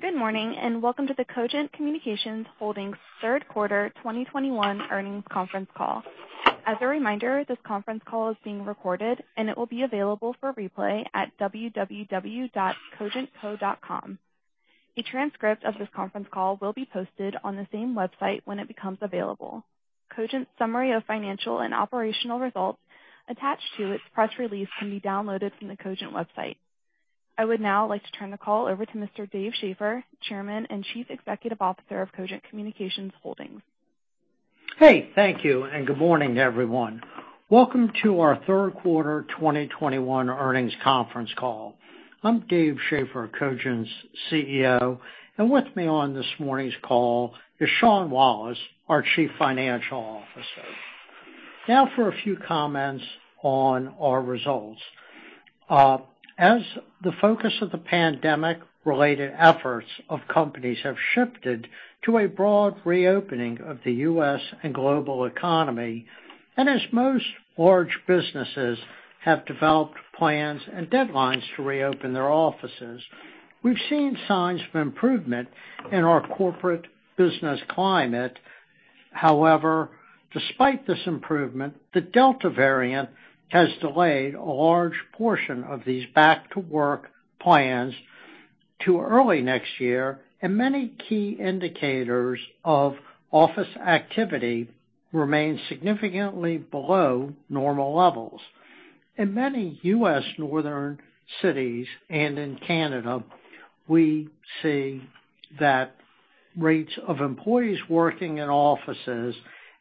Good morning, and welcome to the Cogent Communications Holdings Q3 2021 earnings conference call. As a reminder, this conference call is being recorded and it will be available for replay at www.cogentco.com. A transcript of this conference call will be posted on the same website when it becomes available. Cogent's summary of financial and operational results attached to its press release can be downloaded from the Cogent website. I would now like to turn the call over to Mr. Dave Schaeffer, Chairman and Chief Executive Officer of Cogent Communications Holdings. Hey, thank you, and good morning, everyone. Welcome to our third quarter 2021 earnings conference call. I'm Dave Schaeffer, Cogent's CEO, and with me on this morning's call is Sean Wallace, our Chief Financial Officer. Now for a few comments on our results. As the focus of the pandemic-related efforts of companies have shifted to a broad reopening of the U.S. and global economy, and as most large businesses have developed plans and deadlines to reopen their offices, we've seen signs of improvement in our corporate business climate. However, despite this improvement, the Delta variant has delayed a large portion of these back-to-work plans to early next year, and many key indicators of office activity remain significantly below normal levels. In many U.S., northern cities and in Canada, we see that rates of employees working in offices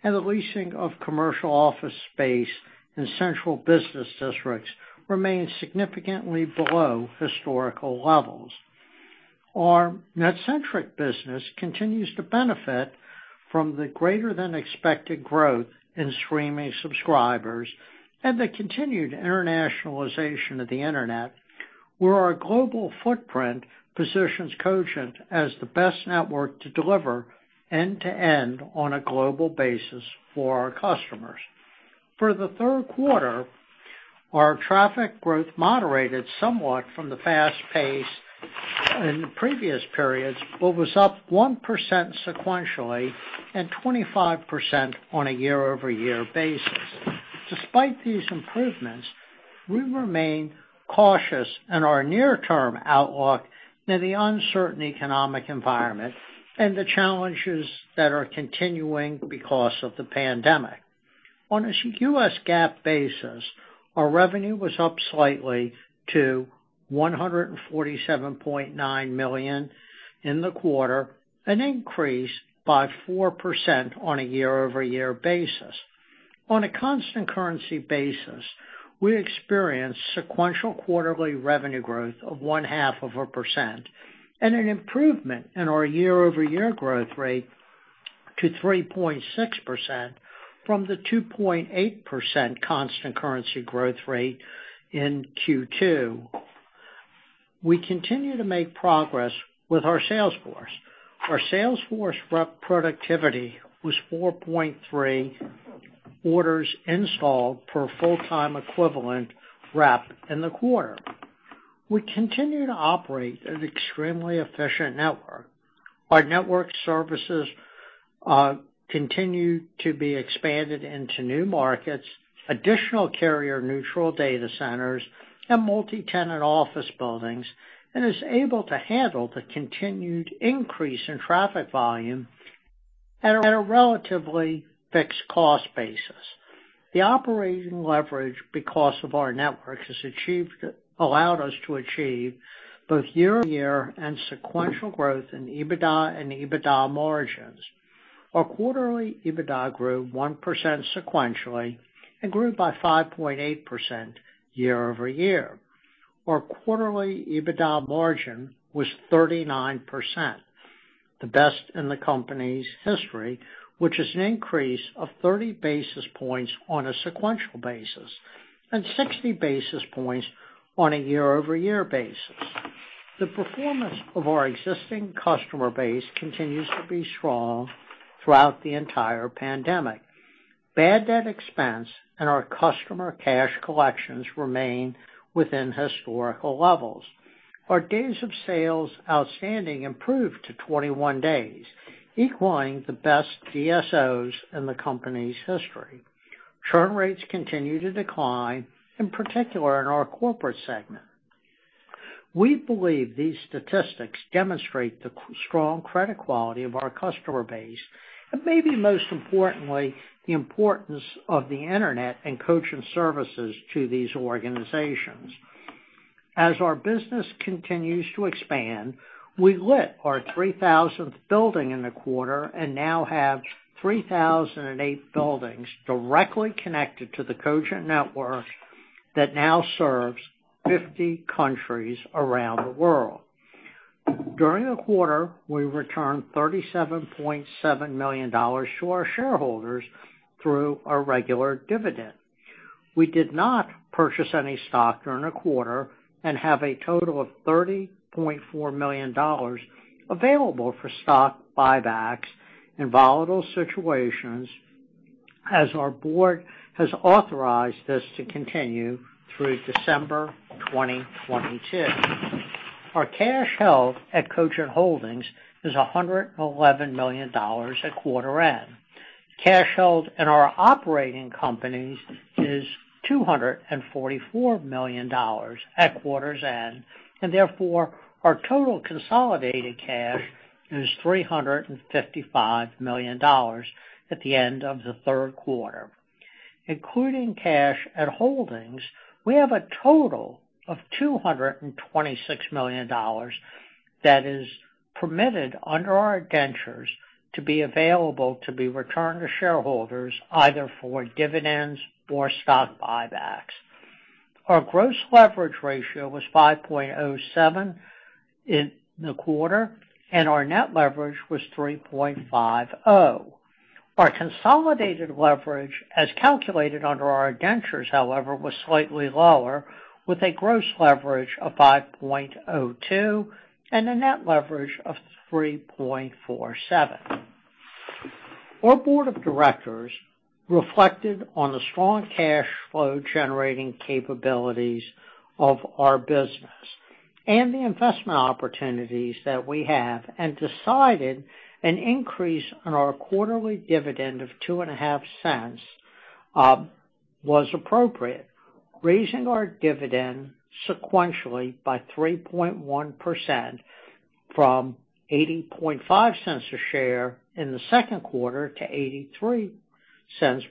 and the leasing of commercial office space in central business districts remain significantly below historical levels. Our NetCentric business continues to benefit from the greater than expected growth in streaming subscribers and the continued internationalization of the Internet, where our global footprint positions Cogent as the best network to deliver end-to-end on a global basis for our customers. For the third quarter, our traffic growth moderated somewhat from the fast pace in previous periods, but was up 1% sequentially and 25% on a year-over-year basis. Despite these improvements, we remain cautious in our near-term outlook in the uncertain economic environment and the challenges that are continuing because of the pandemic. On a U.S. GAAP basis, our revenue was up slightly to $147.9 million in the quarter, an increase by 4% on a year-over-year basis. On a constant currency basis, we experienced sequential quarterly revenue growth of 0.5%, and an improvement in our year-over-year growth rate to 3.6% from the 2.8% constant currency growth rate in Q2. We continue to make progress with our sales force. Our sales force rep productivity was 4.3 orders installed per full-time equivalent rep in the quarter. We continue to operate an extremely efficient network. Our network services continue to be expanded into new markets, additional carrier-neutral data centers, and multi-tenant office buildings, and is able to handle the continued increase in traffic volume at a relatively fixed cost basis. The operating leverage because of our network allowed us to achieve both year-over-year and sequential growth in EBITDA and EBITDA margins. Our quarterly EBITDA grew 1% sequentially and grew by 5.8% year-over-year. Our quarterly EBITDA margin was 39%, the best in the company's history, which is an increase of 30 basis points on a sequential basis, and 60 basis points on a year-over-year basis. The performance of our existing customer base continues to be strong throughout the entire pandemic. Bad debt expense and our customer cash collections remain within historical levels. Our days sales outstanding improved to 21 days, equaling the best DSOs in the company's history. Churn rates continue to decline, in particular in our corporate segment. We believe these statistics demonstrate the strong credit quality of our customer base, and maybe most importantly, the importance of the Internet and Cogent services to these organizations. As our business continues to expand, we lit our 3,000th building in the quarter and now have 3,008 buildings directly connected to the Cogent network that now serves 50 countries around the world. During the quarter, we returned $37.7 million to our shareholders through our regular dividend. We did not purchase any stock during the quarter and have a total of $30.4 million available for stock buybacks in volatile situations. As our board has authorized this to continue through December 2022. Our cash held at Cogent Holdings is $111 million at quarter end. Cash held in our operating companies is $244 million at quarter's end, and therefore, our total consolidated cash is $355 million at the end of the third quarter. Including cash at holdings, we have a total of $226 million that is permitted under our indentures to be available to be returned to shareholders either for dividends or stock buybacks. Our gross leverage ratio was 5.07 in the quarter, and our net leverage was 3.50. Our consolidated leverage, as calculated under our indentures, however, was slightly lower, with a gross leverage of 5.02 and a net leverage of 3.47. Our board of directors reflected on the strong cash flow generating capabilities of our business and the investment opportunities that we have and decided an increase on our quarterly dividend of $0.025 was appropriate. Raising our dividend sequentially by 3.1% from $0.805 a share in the second quarter to $0.83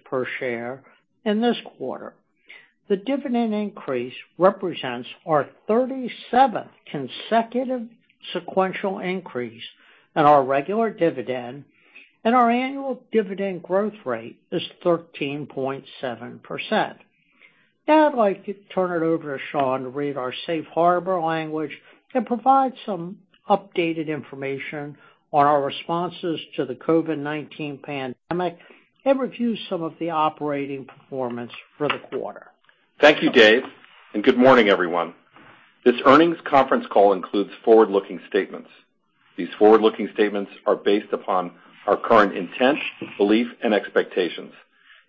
per share in this quarter. The dividend increase represents our 37th consecutive sequential increase in our regular dividend, and our annual dividend growth rate is 13.7%. Now I'd like to turn it over to Sean to read our safe harbor language and provide some updated information on our responses to the COVID-19 pandemic and review some of the operating performance for the quarter. Thank you, Dave, and good morning, everyone. This earnings conference call includes forward-looking statements. These forward-looking statements are based upon our current intent, belief, and expectations.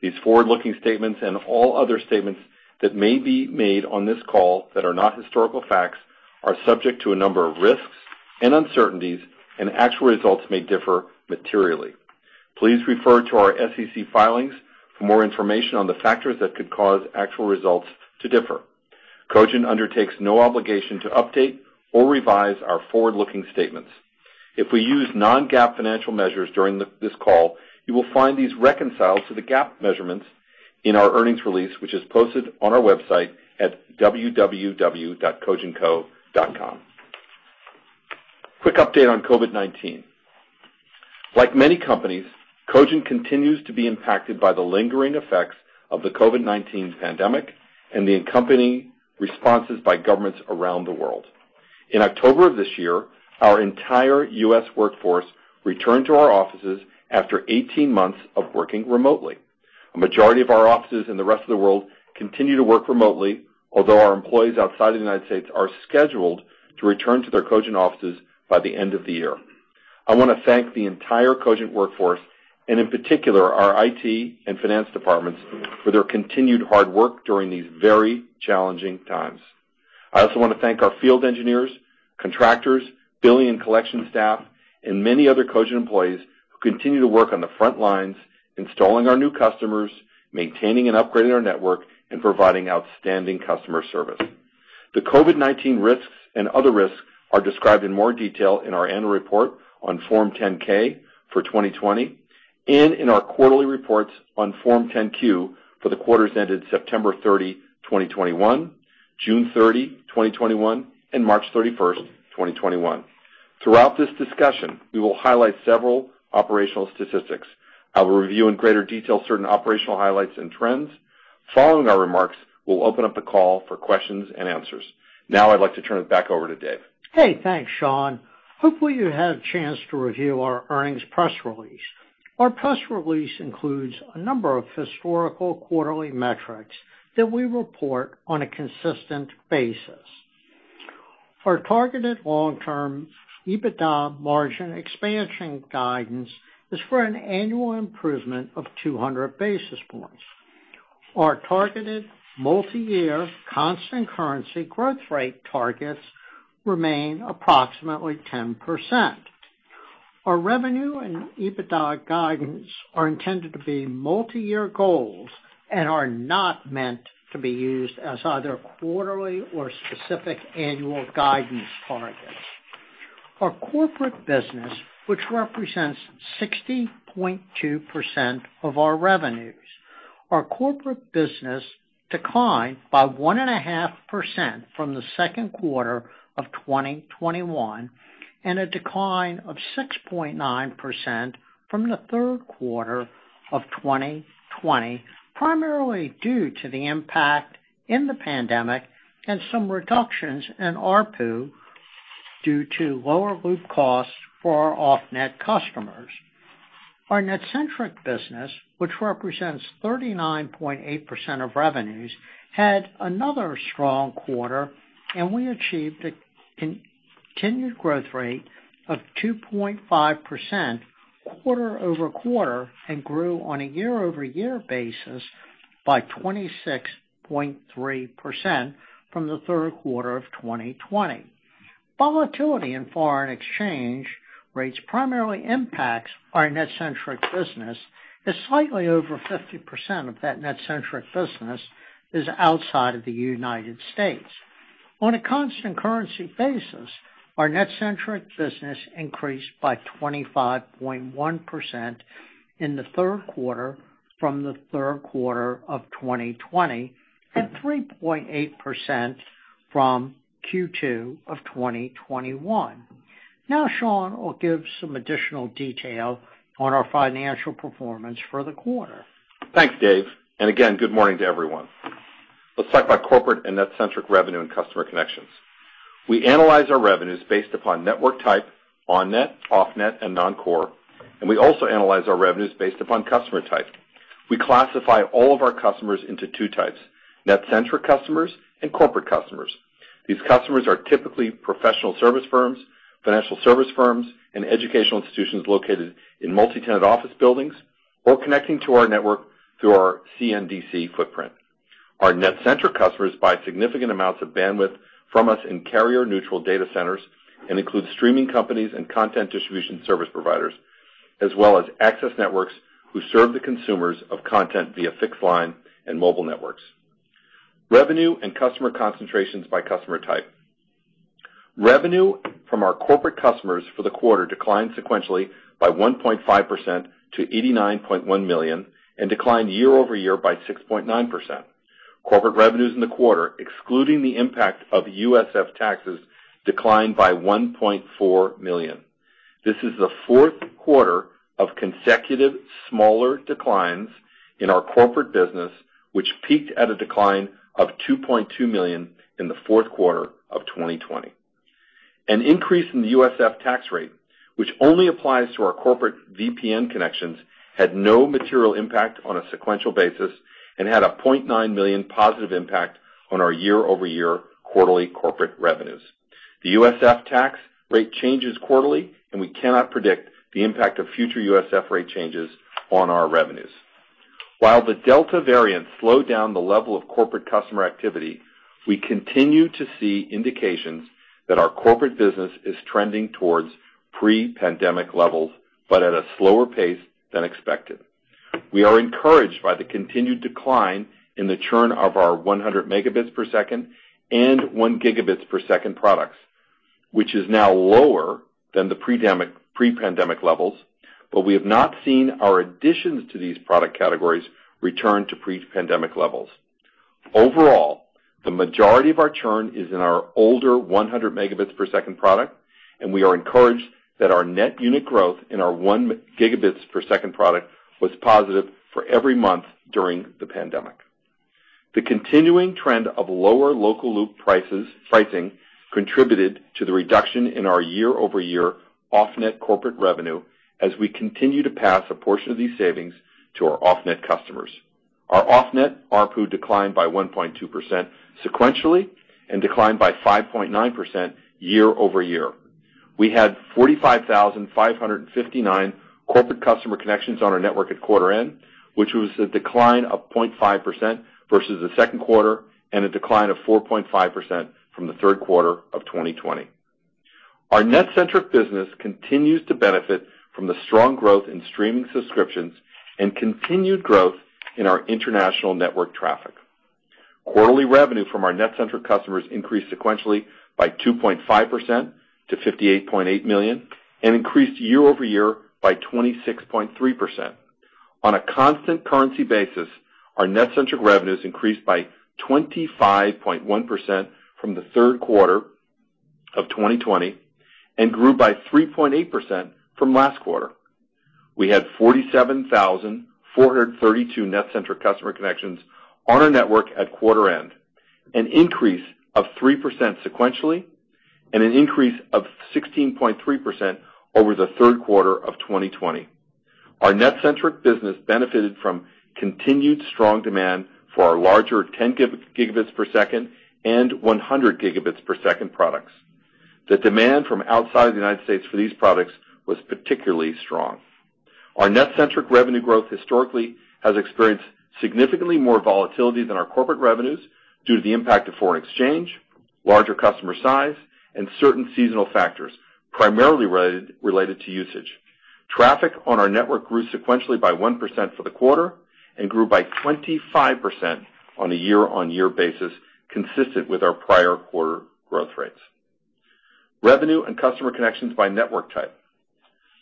These forward-looking statements and all other statements that may be made on this call that are not historical facts are subject to a number of risks and uncertainties, and actual results may differ materially. Please refer to our SEC filings for more information on the factors that could cause actual results to differ. Cogent undertakes no obligation to update or revise our forward-looking statements. If we use non-GAAP financial measures during this call, you will find these reconciled to the GAAP measurements in our earnings release, which is posted on our website at www.cogentco.com. Quick update on COVID-19. Like many companies, Cogent continues to be impacted by the lingering effects of the COVID-19 pandemic and the accompanying responses by governments around the world. In October of this year, our entire U.S. workforce returned to our offices after 18 months of working remotely. A majority of our offices in the rest of the world continue to work remotely, although our employees outside of the United States are scheduled to return to their Cogent offices by the end of the year. I wanna thank the entire Cogent workforce, and in particular, our IT and finance departments for their continued hard work during these very challenging times. I also wanna thank our field engineers, contractors, billing and collection staff, and many other Cogent employees who continue to work on the front lines, installing our new customers, maintaining and upgrading our network, and providing outstanding customer service. The COVID-19 risks and other risks are described in more detail in our annual report on Form 10-K for 2020, and in our quarterly reports on Form 10-Q for the quarters ending September 30, 2021, June 30, 2021, and March 31, 2021. Throughout this discussion, we will highlight several operational statistics. I will review in greater detail certain operational highlights and trends. Following our remarks, we'll open up the call for questions and answers. Now I'd like to turn it back over to Dave. Hey, thanks, Sean. Hopefully, you had a chance to review our earnings press release. Our press release includes a number of historical quarterly metrics that we report on a consistent basis. Our targeted long-term EBITDA margin expansion guidance is for an annual improvement of 200 basis points. Our targeted multiyear constant currency growth rate targets remain approximately 10%. Our revenue and EBITDA guidance are intended to be multiyear goals and are not meant to be used as either quarterly or specific annual guidance targets. Our corporate business, which represents 60.2% of our revenues. Our corporate business declined by 1.5% from the second quarter of 2021, and a decline of 6.9% from the third quarter of 2020, primarily due to the impact of the pandemic and some reductions in ARPU due to lower loop costs for our off-net customers. Our NetCentric business, which represents 39.8% of revenues, had another strong quarter, and we achieved a continued growth rate of 2.5% quarter-over-quarter, and grew on a year-over-year basis by 26.3% from the third quarter of 2020. Volatility in foreign exchange rates primarily impacts our NetCentric business, as slightly over 50% of that NetCentric business is outside of the U.S. On a constant currency basis, our NetCentric business increased by 25.1% in the third quarter from the third quarter of 2020, and 3.8% from Q2 of 2021. Now Sean will give some additional detail on our financial performance for the quarter. Thanks, Dave. Again, good morning to everyone. Let's talk about corporate and NetCentric revenue and customer connections. We analyze our revenues based upon network type, on-net, off-net, and non-core, and we also analyze our revenues based upon customer type. We classify all of our customers into two types, NetCentric customers and corporate customers. These customers are typically professional service firms, financial service firms, and educational institutions located in multi-tenant office buildings or connecting to our network through our CNDC footprint. Our NetCentric customers buy significant amounts of bandwidth from us in carrier-neutral data centers, and includes streaming companies and content distribution service providers, as well as access networks who serve the consumers of content via fixed line and mobile networks. Revenue and customer concentrations by customer type. Revenue from our corporate customers for the quarter declined sequentially by 1.5% to $89.1 million, and declined year-over-year by 6.9%. Corporate revenues in the quarter, excluding the impact of USF taxes, declined by $1.4 million. This is the fourth quarter of consecutive smaller declines in our corporate business, which peaked at a decline of $2.2 million in the fourth quarter of 2020. An increase in the USF tax rate, which only applies to our corporate VPN connections, had no material impact on a sequential basis and had a $0.9 million positive impact on our year-over-year quarterly corporate revenues. The USF tax rate changes quarterly, and we cannot predict the impact of future USF rate changes on our revenues. While the Delta variant slowed down the level of corporate customer activity, we continue to see indications that our corporate business is trending towards pre-pandemic levels, but at a slower pace than expected. We are encouraged by the continued decline in the churn of our 100 Mbps and 1 Gbps products, which is now lower than the pre-pandemic levels, but we have not seen our additions to these product categories return to pre-pandemic levels. Overall, the majority of our churn is in our older 100 Mbps product, and we are encouraged that our net unit growth in our 1 Gbps product was positive for every month during the pandemic. The continuing trend of lower local loop prices, pricing contributed to the reduction in our year-over-year off-net corporate revenue as we continue to pass a portion of these savings to our off-net customers. Our off-net ARPU declined by 1.2% sequentially and declined by 5.9% year-over-year. We had 45,559 corporate customer connections on our network at quarter-end, which was a decline of 0.5% versus the second quarter and a decline of 4.5% from the third quarter of 2020. Our NetCentric business continues to benefit from the strong growth in streaming subscriptions and continued growth in our international network traffic. Quarterly revenue from our NetCentric customers increased sequentially by 2.5% to $58.8 million, and increased year-over-year by 26.3%. On a constant currency basis, our NetCentric revenues increased by 25.1% from the third quarter of 2020, and grew by 3.8% from last quarter. We had 47,432 NetCentric customer connections on our network at quarter end, an increase of 3% sequentially and an increase of 16.3% over the third quarter of 2020. Our NetCentric business benefited from continued strong demand for our larger 10 gigabits per second and 100 gigabits per second products. The demand from outside the United States for these products was particularly strong. Our NetCentric revenue growth historically has experienced significantly more volatility than our corporate revenues due to the impact of foreign exchange, larger customer size, and certain seasonal factors, primarily related to usage. Traffic on our network grew sequentially by 1% for the quarter and grew by 25% on a year-over-year basis, consistent with our prior quarter growth rates. Revenue and customer connections by network type.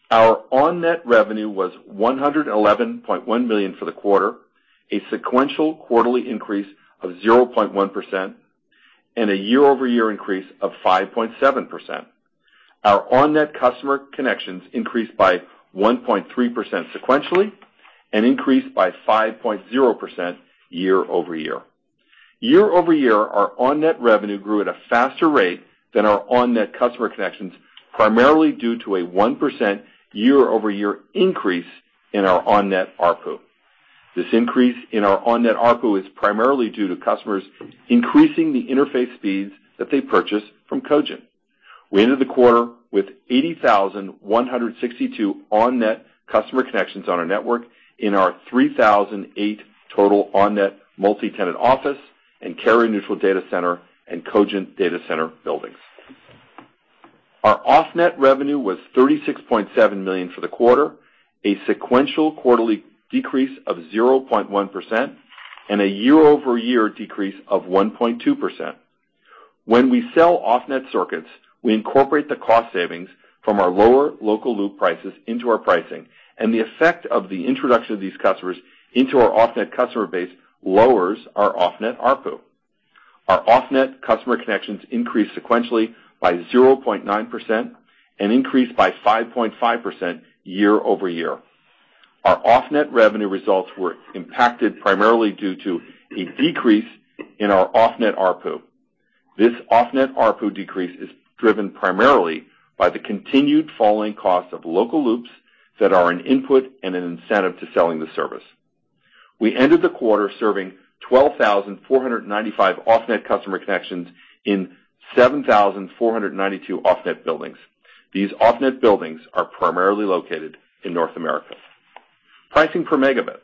Our on-net revenue was $111.1 million for the quarter, a sequential quarterly increase of 0.1%, and a year-over-year increase of 5.7%. Our on-net customer connections increased by 1.3% sequentially, and increased by 5.0% year-over-year. Year-over-year, our on-net revenue grew at a faster rate than our on-net customer connections, primarily due to a 1% year-over-year increase in our on-net ARPU. This increase in our on-net ARPU is primarily due to customers increasing the interface speeds that they purchase from Cogent. We ended the quarter with 80,162 on-net customer connections on our network in our 3,008 total on-net multi-tenant office and carrier-neutral data center and Cogent data center buildings. Our off-net revenue was $36.7 million for the quarter, a sequential quarterly decrease of 0.1%, and a year-over-year decrease of 1.2%. When we sell off-net circuits, we incorporate the cost savings from our lower local loop prices into our pricing, and the effect of the introduction of these customers into our off-net customer base lowers our off-net ARPU. Our off-net customer connections increased sequentially by 0.9% and increased by 5.5% year-over-year. Our off-net revenue results were impacted primarily due to a decrease in our off-net ARPU. This off-net ARPU decrease is driven primarily by the continued falling cost of local loops that are an input and an incentive to selling the service. We ended the quarter serving 12,495 off-net customer connections in 7,492 off-net buildings. These off-net buildings are primarily located in North America. Pricing per megabit.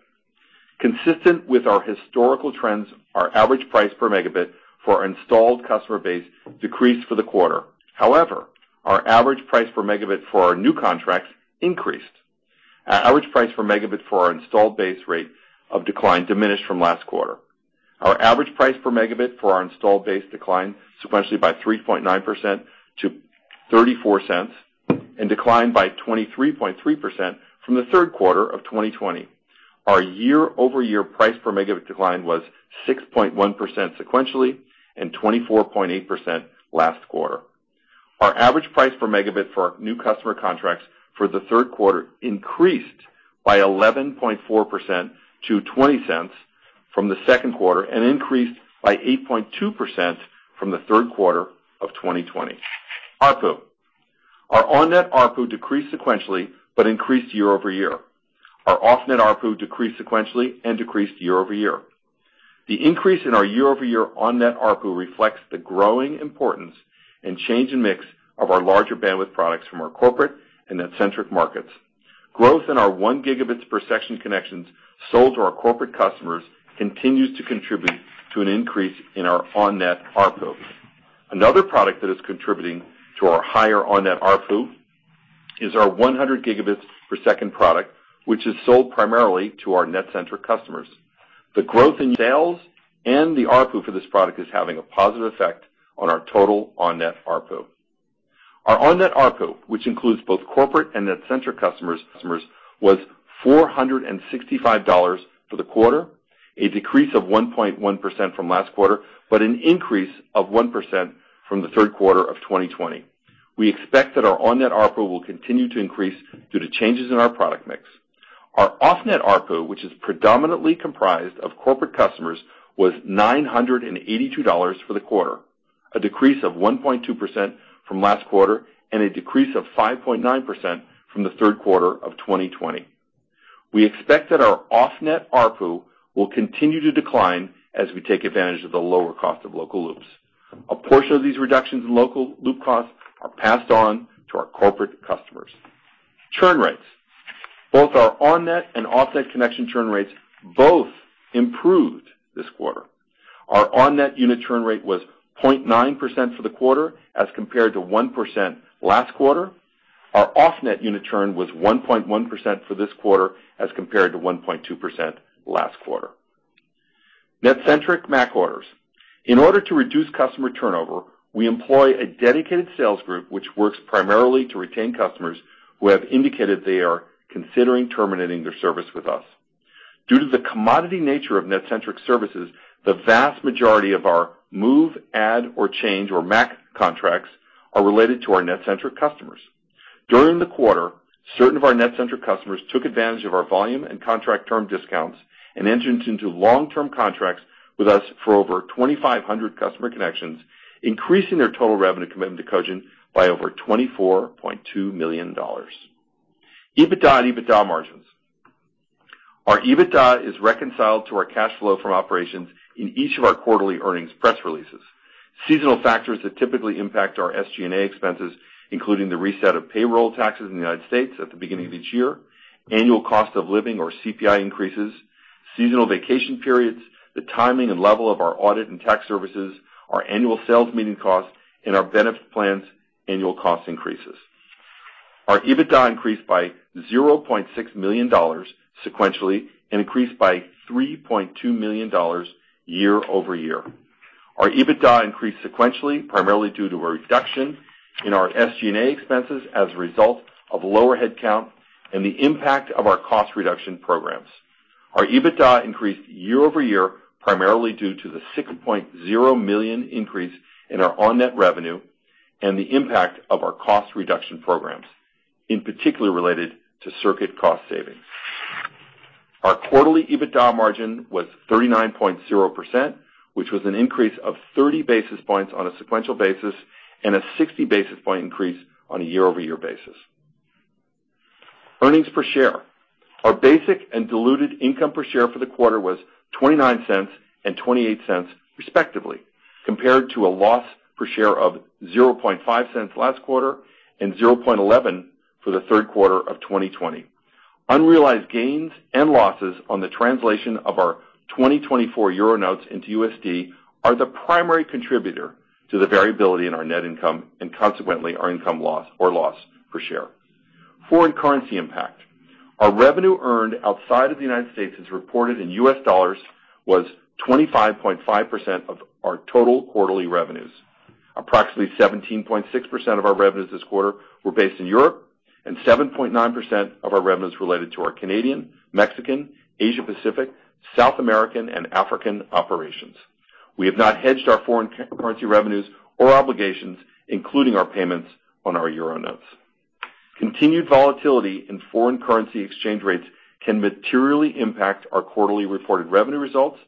Consistent with our historical trends, our average price per megabit for our installed customer base decreased for the quarter. However, our average price per megabit for our new contracts increased. Our average price per megabit for our installed base rate of decline diminished from last quarter. Our average price per megabit for our installed base declined sequentially by 3.9% to $0.34 and declined by 23.3% from the third quarter of 2020. Our year-over-year price per megabit decline was 6.1% sequentially and 24.8% last quarter. Our average price per megabit for our new customer contracts for the third quarter increased by 11.4% to $0.20 from the second quarter and increased by 8.2% from the third quarter of 2020. ARPU. Our on-net ARPU decreased sequentially but increased year-over-year. Our off-net ARPU decreased sequentially and decreased year-over-year. The increase in our year-over-year on-net ARPU reflects the growing importance and change in mix of our larger bandwidth products from our corporate and NetCentric markets. Growth in our one gigabit per second connections sold to our corporate customers continues to contribute to an increase in our on-net ARPU. Another product that is contributing to our higher on-net ARPU is our 100 Gbps product, which is sold primarily to our net-centric customers. The growth in sales and the ARPU for this product is having a positive effect on our total on-net ARPU. Our on-net ARPU, which includes both corporate and net-centric customers was $465 for the quarter, a decrease of 1.1% from last quarter, but an increase of 1% from the third quarter of 2020. We expect that our on-net ARPU will continue to increase due to changes in our product mix. Our off-net ARPU, which is predominantly comprised of corporate customers, was $982 for the quarter, a decrease of 1.2% from last quarter, and a decrease of 5.9% from the third quarter of 2020. We expect that our off-net ARPU will continue to decline as we take advantage of the lower cost of local loops. A portion of these reductions in local loop costs are passed on to our corporate customers. Churn rates. Both our on-net and off-net connection churn rates both improved this quarter. Our on-net unit churn rate was 0.9% for the quarter as compared to 1% last quarter. Our off-net unit churn was 1.1% for this quarter as compared to 1.2% last quarter. Net-centric MAC orders. In order to reduce customer turnover, we employ a dedicated sales group, which works primarily to retain customers who have indicated they are considering terminating their service with us. Due to the commodity nature of net-centric services, the vast majority of our move, add, or change, or MAC contracts are related to our net-centric customers. During the quarter, certain of our NetCentric customers took advantage of our volume and contract term discounts and entered into long-term contracts with us for over 2,500 customer connections, increasing their total revenue commitment to Cogent by over $24.2 million. EBITDA and EBITDA margins. Our EBITDA is reconciled to our cash flow from operations in each of our quarterly earnings press releases. Seasonal factors that typically impact our SG&A expenses, including the reset of payroll taxes in the United States at the beginning of each year, annual cost of living or CPI increases, seasonal vacation periods, the timing and level of our audit and tax services, our annual sales meeting costs, and our benefit plans' annual cost increases. Our EBITDA increased by $0.6 million sequentially and increased by $3.2 million year-over-year. Our EBITDA increased sequentially, primarily due to a reduction in our SG&A expenses as a result of lower headcount and the impact of our cost reduction programs. Our EBITDA increased year-over-year, primarily due to the $6.0 million increase in our on-net revenue and the impact of our cost reduction programs, in particular related to circuit cost savings. Our quarterly EBITDA margin was 39.0%, which was an increase of 30 basis points on a sequential basis and a 60 basis point increase on a year-over-year basis. Earnings per share. Our basic and diluted earnings per share for the quarter was $0.29 and $0.28 respectively, compared to a loss per share of $0.005 last quarter and $0.11 for the third quarter of 2020. Unrealized gains and losses on the translation of our 2024 euro notes into USD are the primary contributor to the variability in our net income and consequently our income loss or loss per share. Foreign currency impact. Our revenue earned outside of the United States is reported in U.S. dollars, was 25.5% of our total quarterly revenues. Approximately 17.6% of our revenues this quarter were based in Europe and 7.9% of our revenues related to our Canadian, Mexican, Asia-Pacific, South American and African operations. We have not hedged our foreign currency revenues or obligations, including our payments on our euro notes. Continued volatility in foreign currency exchange rates can materially impact our quarterly reported revenue results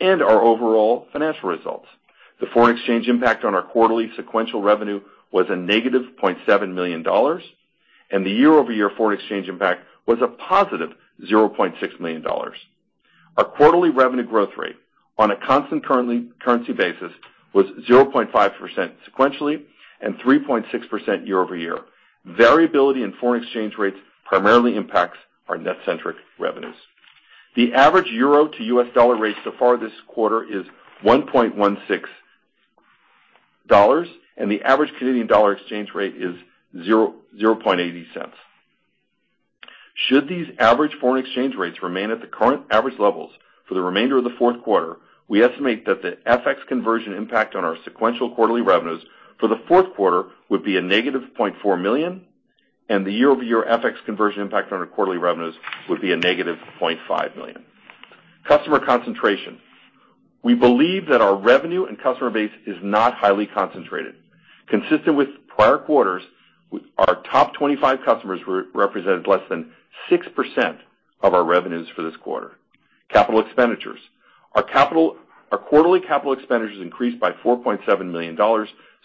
and our overall financial results. The foreign exchange impact on our quarterly sequential revenue was a negative $0.7 million, and the year-over-year foreign exchange impact was a positive $0.6 million. Our quarterly revenue growth rate on a constant currency basis was 0.5% sequentially and 3.6% year-over-year. Variability in foreign exchange rates primarily impacts our NetCentric revenues. The average euro to U.S., dollar rate so far this quarter is 1.16 dollars, and the average Canadian dollar exchange rate is 0.80 cents. Should these average foreign exchange rates remain at the current average levels for the remainder of the fourth quarter, we estimate that the FX conversion impact on our sequential quarterly revenues for the fourth quarter would be a negative $0.4 million, and the year-over-year FX conversion impact on our quarterly revenues would be a negative $0.5 million. Customer concentration. We believe that our revenue and customer base is not highly concentrated. Consistent with prior quarters, our top 25 customers represented less than 6% of our revenues for this quarter. Capital expenditures. Our quarterly capital expenditures increased by $4.7 million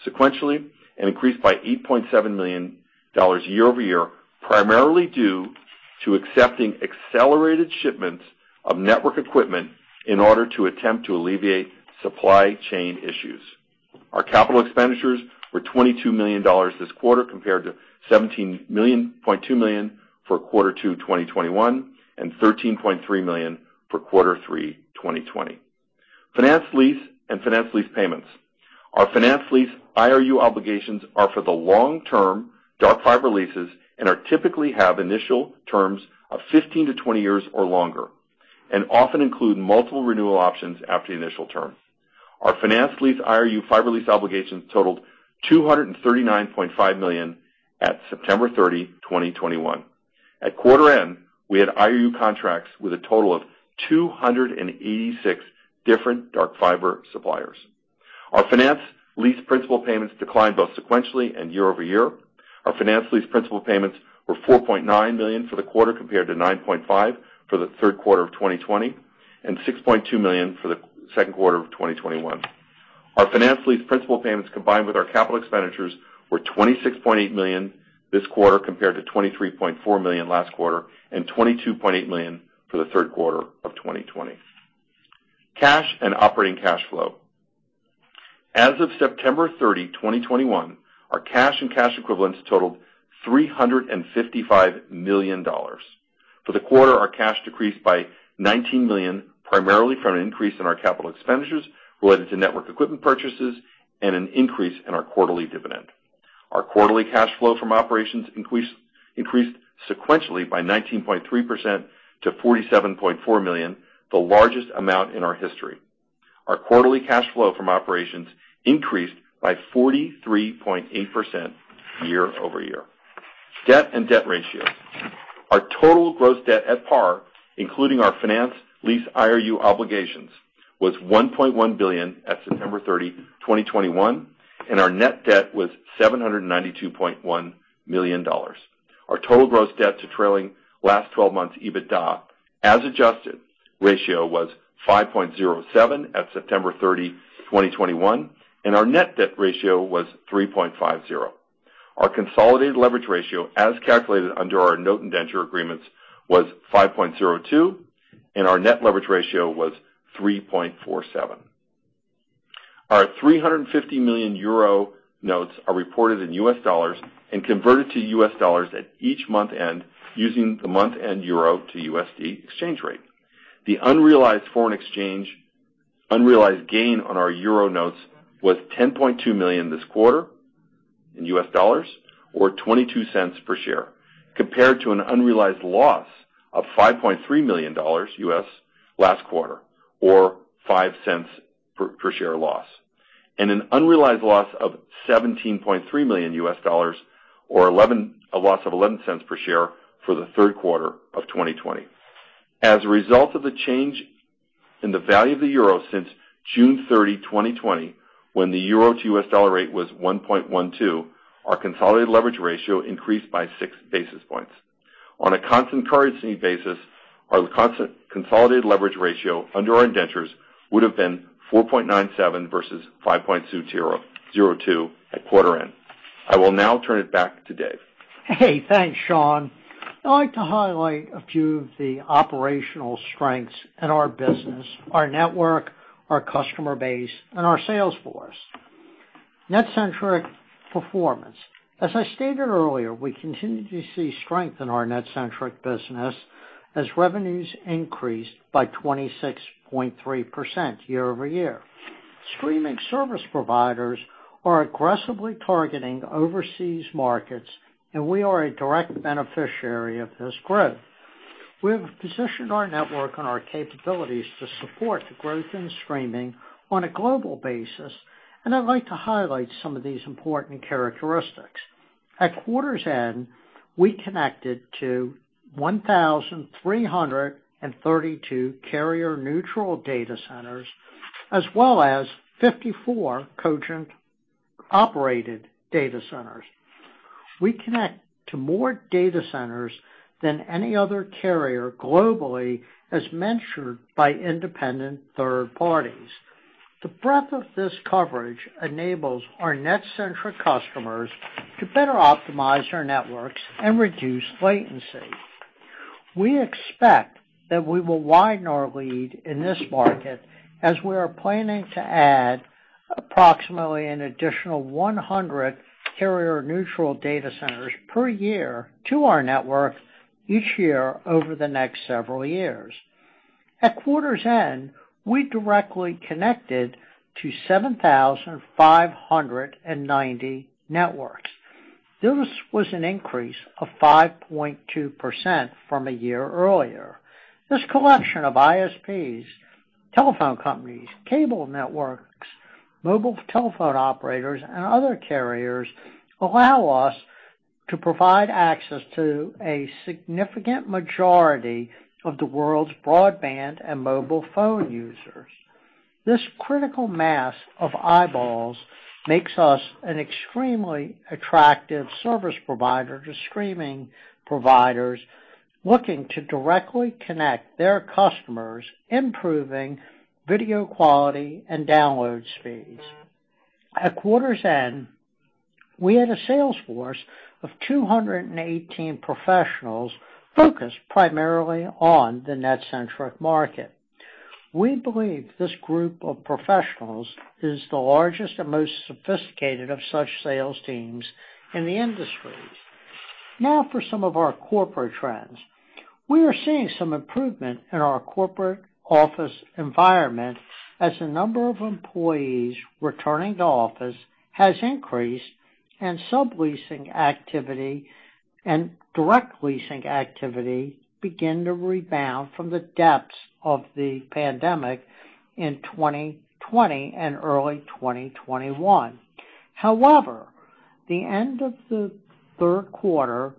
sequentially and increased by $8.7 million year-over-year, primarily due to accepting accelerated shipments of network equipment in order to attempt to alleviate supply chain issues. Our capital expenditures were $22 million this quarter compared to $17.2 million for Q2 2021 and $13.3 million for Q3 2020. Finance lease payments. Our finance lease IRU obligations are for the long-term dark fiber leases and typically have initial terms of 15-20 years or longer, and often include multiple renewal options after the initial terms. Our finance lease IRU fiber lease obligations totaled $239.5 million at September 30, 2021. At quarter end, we had IRU contracts with a total of 286 different dark fiber suppliers. Our finance lease principal payments declined both sequentially and year-over-year. Our finance lease principal payments were $4.9 million for the quarter compared to $9.5 million for the third quarter of 2020 and $6.2 million for the second quarter of 2021. Our finance lease principal payments, combined with our capital expenditures, were $26.8 million this quarter compared to $23.4 million last quarter and $22.8 million for the third quarter of 2020. Cash and operating cash flow. As of September 30, 2021, our cash and cash equivalents totaled $355 million. For the quarter, our cash decreased by $19 million, primarily from an increase in our capital expenditures related to network equipment purchases and an increase in our quarterly dividend. Our quarterly cash flow from operations increased sequentially by 19.3% to $47.4 million, the largest amount in our history. Our quarterly cash flow from operations increased by 43.8% year-over-year. Debt and debt ratio. Our total gross debt at par, including our finance lease IRU obligations, was $1.1 billion at September 30, 2021, and our net debt was $792.1 million. Our total gross debt to trailing last twelve months, EBITDA as adjusted ratio was 5.07 at September 30, 2021, and our net debt ratio was 3.50. Our consolidated leverage ratio, as calculated under our note indenture agreements, was 5.02, and our net leverage ratio was 3.47. Our 350 million euro notes are reported in U.S., dollars and converted to U.S., dollars at each month end using the month end euro to USD exchange rate. The unrealized foreign exchange gain on our euro notes was $10.2 million this quarter in U.S., dollars or $0.22 per share, compared to an unrealized loss of $5.3 million last quarter, or 5 cents per share loss, and an unrealized loss of $17.3 million or a loss of 11 cents per share for the third quarter of 2020. As a result of the change in the value of the euro since June 30, 2020, when the euro to U.S., dollar rate was 1.12, our consolidated leverage ratio increased by 6 basis points. On a constant currency basis, our constant consolidated leverage ratio under our indentures would have been 4.97 versus 5.20 to 5.02 at quarter end. I will now turn it back to Dave. Hey, thanks, Sean. I'd like to highlight a few of the operational strengths in our business, our network, our customer base, and our sales force. NetCentric performance. As I stated earlier, we continue to see strength in our NetCentric business as revenues increased by 26.3% year-over-year. Streaming service providers are aggressively targeting overseas markets, and we are a direct beneficiary of this growth. We have positioned our network and our capabilities to support the growth in streaming on a global basis, and I'd like to highlight some of these important characteristics. At quarter's end, we connected to 1,332 carrier-neutral data centers as well as 54 Cogent operated data centers. We connect to more data centers than any other carrier globally, as measured by independent third parties. The breadth of this coverage enables our NetCentric customers to better optimize their networks and reduce latency. We expect that we will widen our lead in this market as we are planning to add approximately an additional 100 carrier-neutral data centers per year to our network each year over the next several years. At quarter's end, we directly connected to 7,590 networks. This was an increase of 5.2% from a year earlier. This collection of ISPs, telephone companies, cable networks, mobile telephone operators, and other carriers allow us to provide access to a significant majority of the world's broadband and mobile phone users. This critical mass of eyeballs makes us an extremely attractive service provider to streaming providers looking to directly connect their customers, improving video quality and download speeds. At quarter's end, we had a sales force of 218 professionals focused primarily on the NetCentric market. We believe this group of professionals is the largest and most sophisticated of such sales teams in the industry. Now for some of our corporate trends. We are seeing some improvement in our corporate office environment as the number of employees returning to office has increased, and subleasing activity and direct leasing activity begin to rebound from the depths of the pandemic in 2020 and early 2021. However, at the end of the third quarter,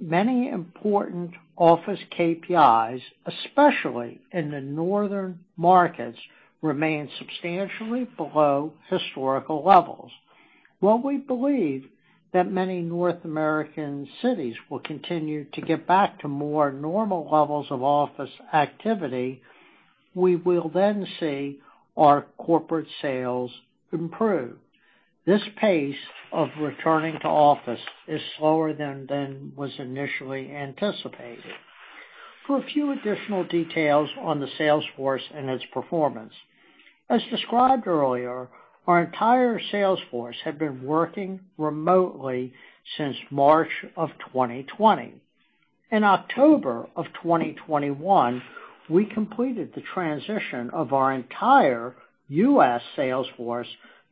many important office KPIs, especially in the northern markets, remain substantially below historical levels. While we believe that many North American cities will continue to get back to more normal levels of office activity, we will then see our corporate sales improve. This pace of returning to office is slower than was initially anticipated. For a few additional details on the sales force and its performance. As described earlier, our entire sales force had been working remotely since March of 2020. In October of 2021, we completed the transition of our entire U.S. sales force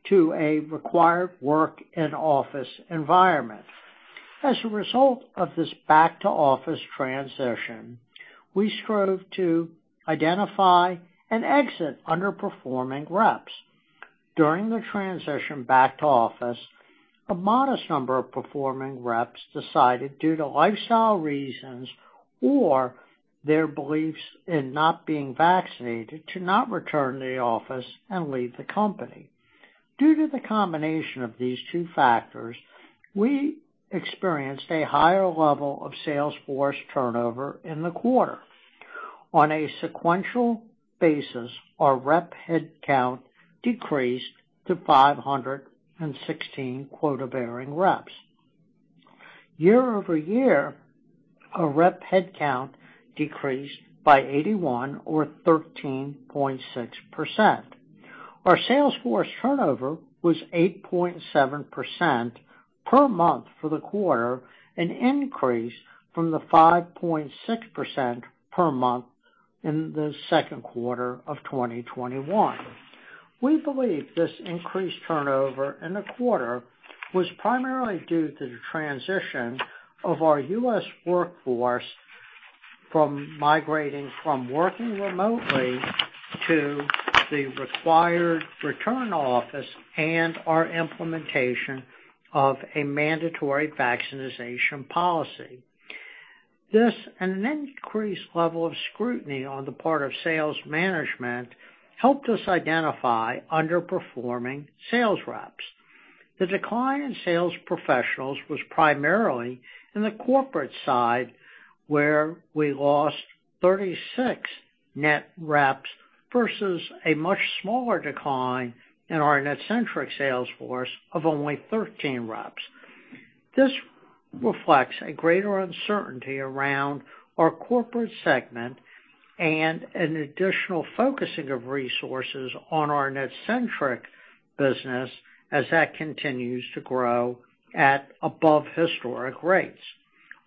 to a required work in office environment. As a result of this back to office transition, we strove to identify and exit underperforming reps. During the transition back to office, a modest number of performing reps decided, due to lifestyle reasons or their beliefs in not being vaccinated, to not return to the office and leave the company. Due to the combination of these two factors, we experienced a higher level of sales force turnover in the quarter. On a sequential basis, our rep headcount decreased to 516 quota-bearing reps. Year-over-year, our rep headcount decreased by 81 or 13.6%. Our sales force turnover was 8.7% per month for the quarter, an increase from the 5.6% per month in the second quarter of 2021. We believe this increased turnover in the quarter was primarily due to the transition of our U.S. workforce from working remotely to the required return-to-office and our implementation of a mandatory vaccination policy. This and an increased level of scrutiny on the part of sales management helped us identify underperforming sales reps. The decline in sales professionals was primarily in the corporate side, where we lost 36 net reps versus a much smaller decline in our NetCentric sales force of only 13 reps. This reflects a greater uncertainty around our corporate segment and an additional focusing of resources on our NetCentric business as that continues to grow at above historic rates.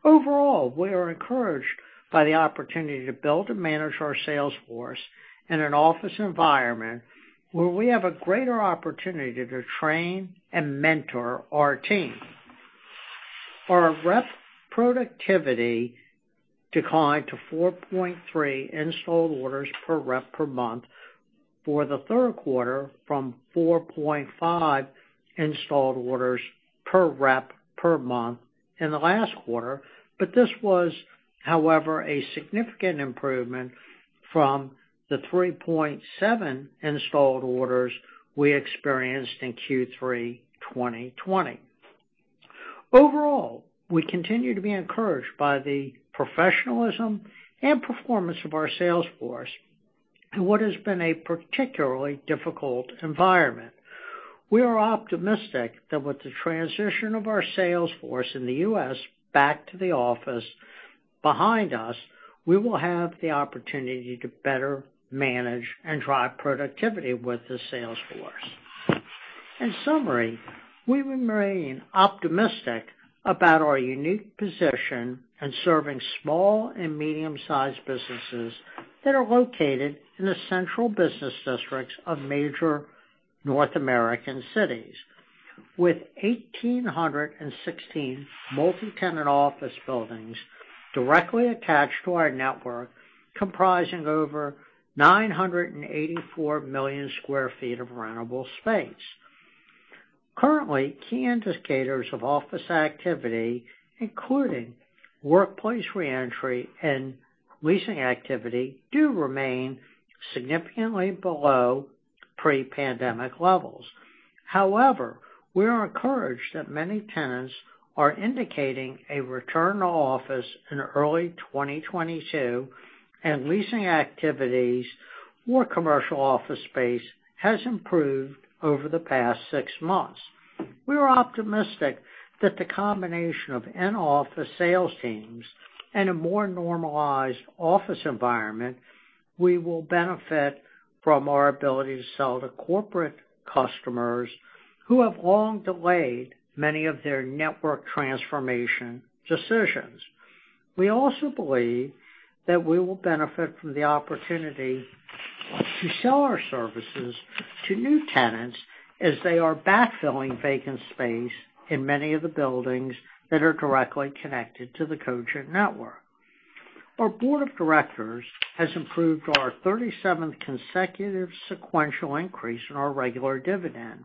Overall, we are encouraged by the opportunity to build and manage our sales force in an office environment where we have a greater opportunity to train and mentor our team. Our rep productivity declined to 4.3 installed orders per rep per month for the third quarter from 4.5 installed orders per rep per month in the last quarter. This was, however, a significant improvement from the 3.7 installed orders we experienced in Q3 2020. Overall, we continue to be encouraged by the professionalism and performance of our sales force in what has been a particularly difficult environment. We are optimistic that with the transition of our sales force in the U.S. back to the office behind us, we will have the opportunity to better manage and drive productivity with the sales force. In summary, we remain optimistic about our unique position in serving small and medium-sized businesses that are located in the central business districts of major North American cities. With 1,816 multi-tenant office buildings directly attached to our network, comprising over 984 million sq ft of rentable space. Currently, key indicators of office activity, including workplace reentry and leasing activity, do remain significantly below pre-pandemic levels. However, we are encouraged that many tenants are indicating a return to office in early 2022, and leasing activities for commercial office space has improved over the past six months. We are optimistic that the combination of in-office sales teams and a more normalized office environment, we will benefit from our ability to sell to corporate customers who have long delayed many of their network transformation decisions. We also believe that we will benefit from the opportunity to sell our services to new tenants as they are backfilling vacant space in many of the buildings that are directly connected to the Cogent network. Our board of directors has approved our 37th consecutive sequential increase in our regular dividend,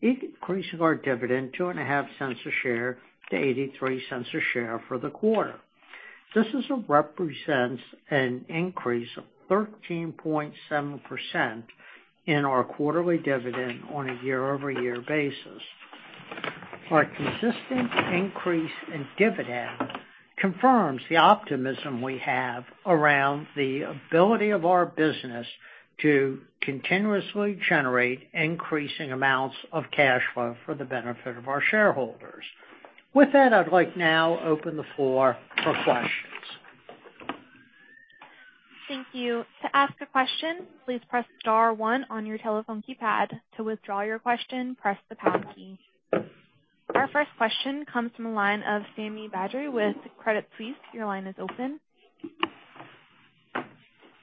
increasing our dividend $0.025 a share to $0.83 a share for the quarter. This represents an increase of 13.7% in our quarterly dividend on a year-over-year basis. Our consistent increase in dividend confirms the optimism we have around the ability of our business to continuously generate increasing amounts of cash flow for the benefit of our shareholders. With that, I'd like to now open the floor for questions. Thank you. To ask a question, please press * one on your telephone keypad. To withdraw your question, press the pound key. Our first question comes from the line of Sami Badri with Credit Suisse. Your line is open.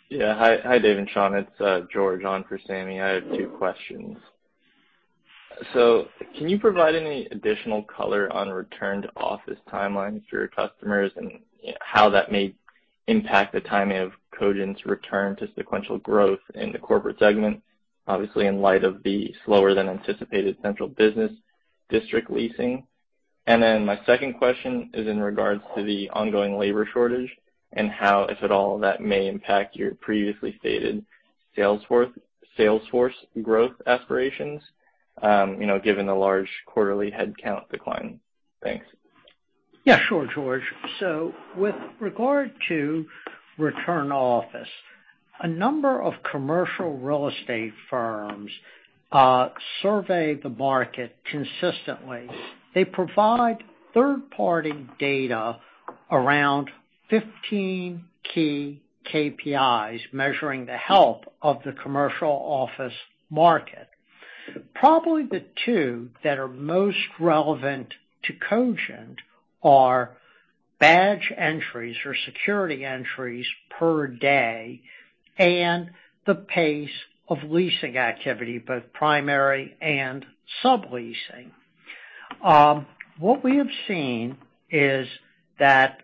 Yeah. Hi, Dave and Sean. It's George on for Sami. I have two questions. Can you provide any additional color on return to office timeline for your customers and how that may impact the timing of Cogent's return to sequential growth in the corporate segment, obviously, in light of the slower than anticipated central business district leasing? My second question is in regards to the ongoing labor shortage and how, if at all, that may impact your previously stated sales force growth aspirations, you know, given the large quarterly headcount decline. Thanks. Yeah, sure, George. With regard to return to office, a number of commercial real estate firms survey the market consistently. They provide third-party data around 15 key KPIs measuring the health of the commercial office market. Probably the two that are most relevant to Cogent are badge entries or security entries per day and the pace of leasing activity, both primary and subleasing. What we have seen is that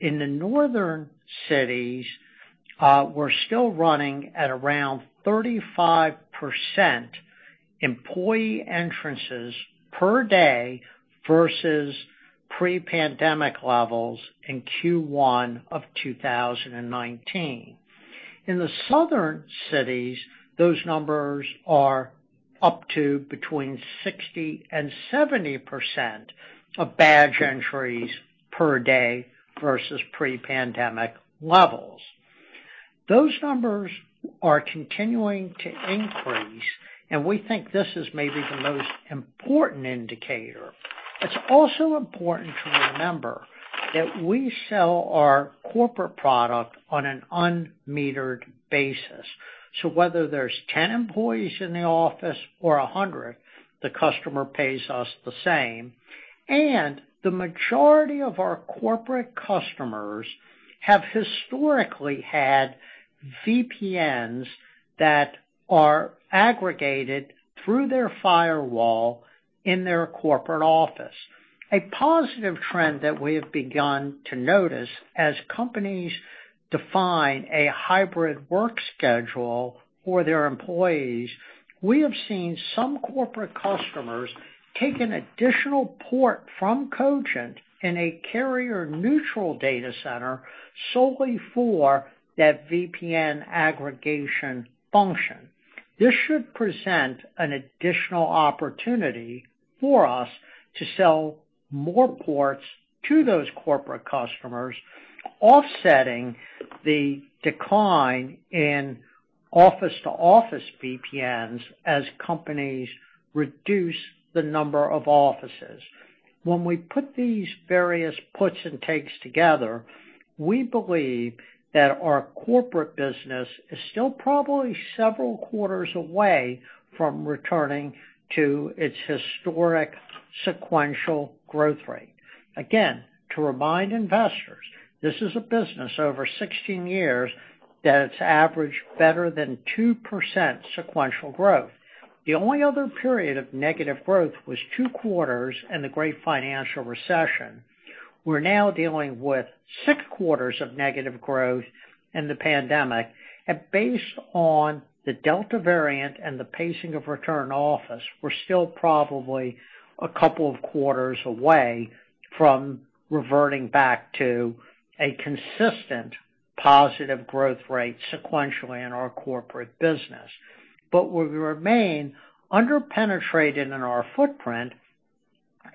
in the northern cities, we're still running at around 35% employee entrances per day versus pre-pandemic levels in Q1 of 2019. In the southern cities, those numbers are up to between 60% and 70% of badge entries per day versus pre-pandemic levels. Those numbers are continuing to increase, and we think this is maybe the most important indicator. It's also important to remember that we sell our corporate product on an unmetered basis. Whether there's 10 employees in the office or 100, the customer pays us the same. The majority of our corporate customers have historically had VPNs that are aggregated through their firewall in their corporate office. A positive trend that we have begun to notice as companies define a hybrid work schedule for their employees, we have seen some corporate customers take an additional port from Cogent in a carrier neutral data center solely for that VPN aggregation function. This should present an additional opportunity for us to sell more ports to those corporate customers, offsetting the decline in office-to-office VPNs as companies reduce the number of offices. When we put these various puts and takes together, we believe that our corporate business is still probably several quarters away from returning to its historic sequential growth rate. Again, to remind investors, this is a business over 16 years that it's averaged better than 2% sequential growth. The only other period of negative growth was 2 quarters in the great financial recession. We're now dealing with 6 quarters of negative growth in the pandemic. Based on the Delta variant and the pacing of return to office, we're still probably a couple of quarters away from reverting back to a consistent positive growth rate sequentially in our corporate business. But we remain under-penetrated in our footprint,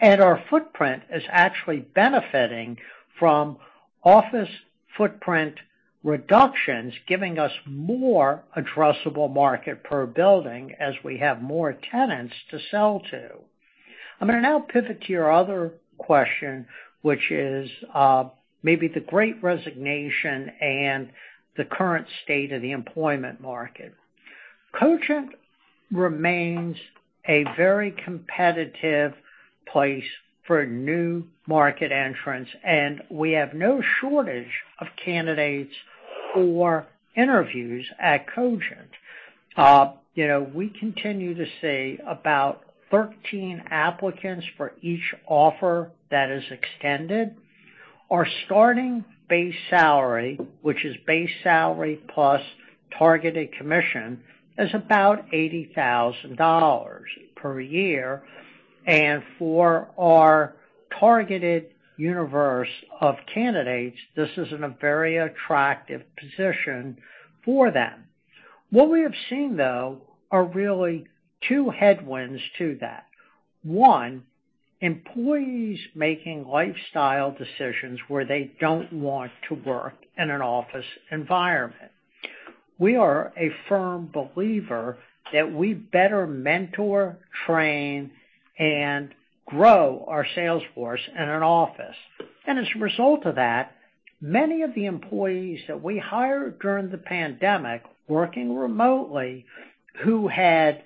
and our footprint is actually benefiting from office footprint reductions, giving us more addressable market per building as we have more tenants to sell to. I'm going to now pivot to your other question, which is, maybe the Great Resignation and the current state of the employment market. Cogent remains a very competitive place for new market entrants, and we have no shortage of candidates for interviews at Cogent. We continue to see about 13 applicants for each offer that is extended. Our starting base salary, which is base salary plus targeted commission, is about $80,000 per year. For our targeted universe of candidates, this is in a very attractive position for them. What we have seen, though, are really two headwinds to that. One, employees making lifestyle decisions where they don't want to work in an office environment. We are a firm believer that we better mentor, train, and grow our sales force in an office. As a result of that, many of the employees that we hired during the pandemic working remotely, who had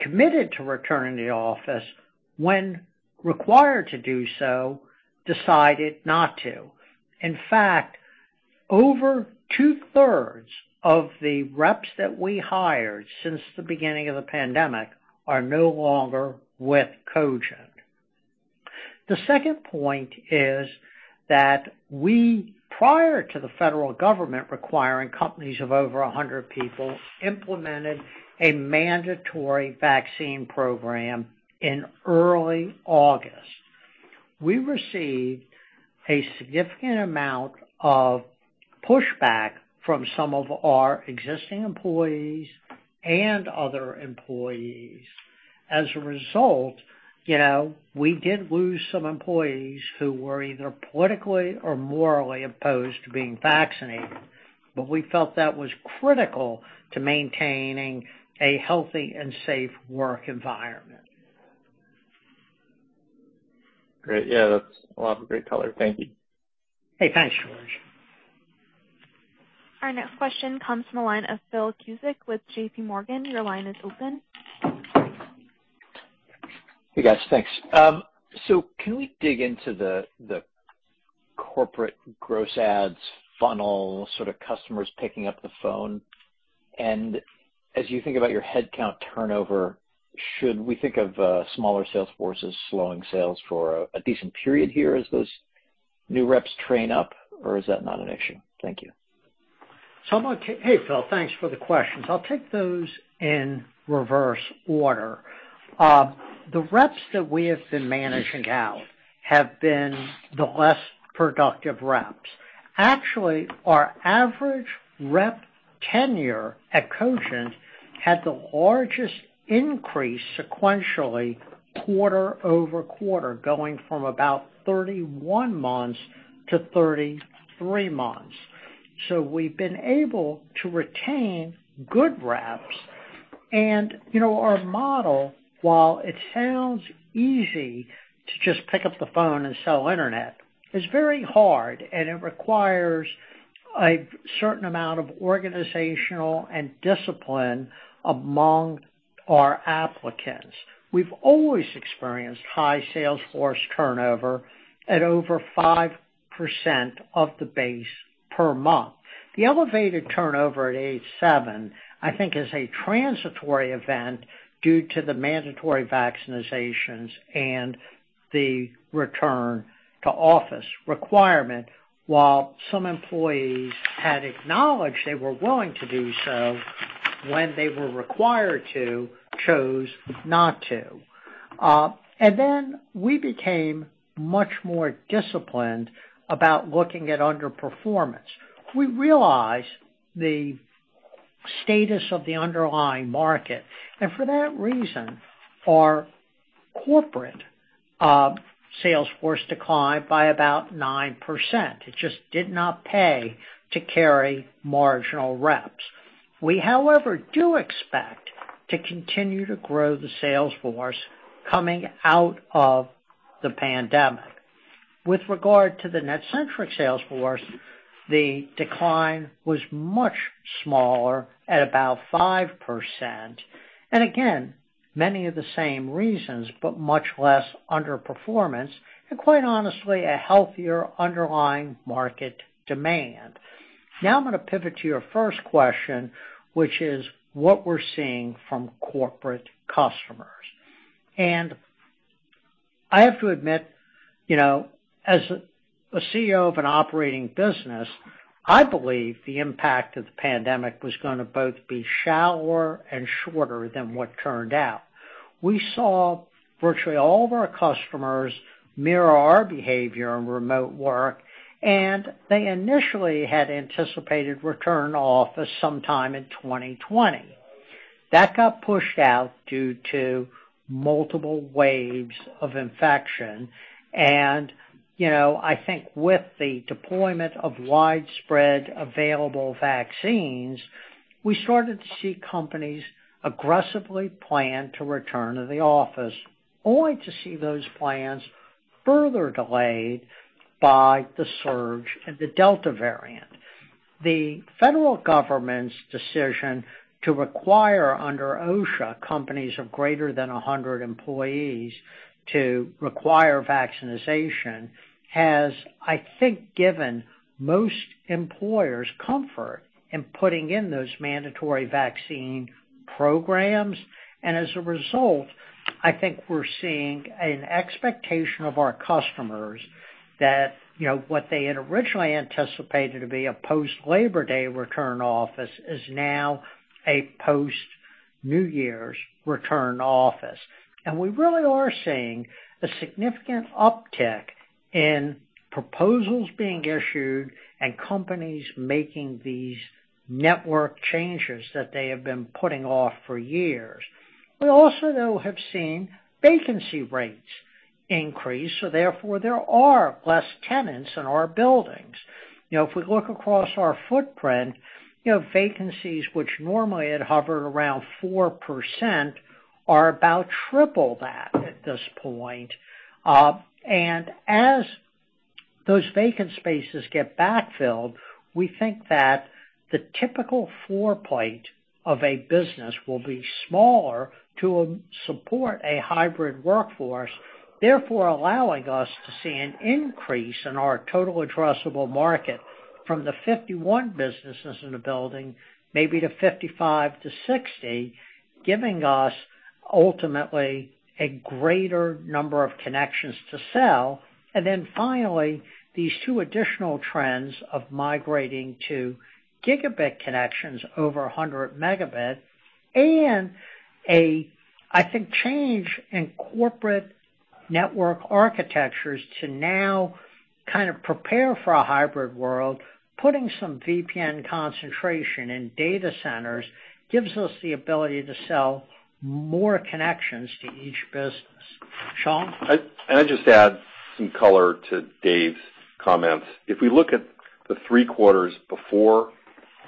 committed to return to the office when required to do so, decided not to. In fact, over two-thirds of the reps that we hired since the beginning of the pandemic are no longer with Cogent. The second point is that we, prior to the federal government requiring companies of over 100 people, implemented a mandatory vaccine program in early August. We received a significant amount of pushback from some of our existing employees and other employees. As a result, you know, we did lose some employees who were either politically or morally opposed to being vaccinated, but we felt that was critical to maintaining a healthy and safe work environment. Great. Yeah, that's a lot of great color. Thank you. Hey, thanks, George. Our next question comes from the line of Phil Cusick with J.P. Morgan. Your line is open. Hey, guys. Thanks. So can we dig into the corporate gross adds funnel, sort of customers picking up the phone? As you think about your headcount turnover, should we think of smaller sales forces slowing sales for a decent period here as those new reps train up, or is that not an issue? Thank you. Hey, Phil, thanks for the questions. I'll take those in reverse order. The reps that we have been managing out have been the less productive reps. Actually, our average rep tenure at Cogent had the largest increase sequentially, quarter-over-quarter, going from about 31 months to 33 months. We've been able to retain good reps. You know, our model, while it sounds easy to just pick up the phone and sell internet, is very hard, and it requires a certain amount of organization and discipline among our applicants. We've always experienced high sales force turnover at over 5% of the base per month. The elevated turnover at 8.7%, I think, is a transitory event due to the mandatory vaccinations and the return to office requirement. While some employees had acknowledged they were willing to do so when they were required to, they chose not to. Then we became much more disciplined about looking at underperformance. We realized the status of the underlying market, and for that reason, our corporate sales force declined by about 9%. It just did not pay to carry marginal reps. We, however, do expect to continue to grow the sales force coming out of the pandemic. With regard to the NetCentric sales force, the decline was much smaller at about 5%. Again, many of the same reasons, but much less underperformance, and quite honestly, a healthier underlying market demand. Now, I'm gonna pivot to your first question, which is what we're seeing from corporate customers. I have to admit, you know, as a CEO of an operating business, I believe the impact of the pandemic was gonna both be shallower and shorter than what turned out. We saw virtually all of our customers mirror our behavior in remote work, and they initially had anticipated return to office sometime in 2020. That got pushed out due to multiple waves of infection. I think with the deployment of widespread available vaccines, we started to see companies aggressively plan to return to the office, only to see those plans further delayed by the surge in the Delta variant. The federal government's decision to require under OSHA companies of greater than 100 employees to require vaccination has, I think, given most employers comfort in putting in those mandatory vaccine programs. As a result, I think we're seeing an expectation of our customers that, you know, what they had originally anticipated to be a post-Labor Day return to office is now a post New Year's return to office. We really are seeing a significant uptick in proposals being issued and companies making these network changes that they have been putting off for years. We also, though, have seen vacancy rates increase, so therefore, there are less tenants in our buildings. You know, if we look across our footprint, you know, vacancies which normally had hovered around 4% are about triple that at this point. As those vacant spaces get backfilled, we think that the typical floor plate of a business will be smaller to support a hybrid workforce, therefore allowing us to see an increase in our total addressable market from the 51 businesses in a building maybe to 55 to 60, giving us ultimately a greater number of connections to sell. Finally, these two additional trends of migrating to gigabit connections over 100 megabit and a, I think, change in corporate network architectures to now kind of prepare for a hybrid world, putting some VPN concentration in data centers gives us the ability to sell more connections to each business. Sean? I'd just add some color to Dave's comments. If we look at the three quarters before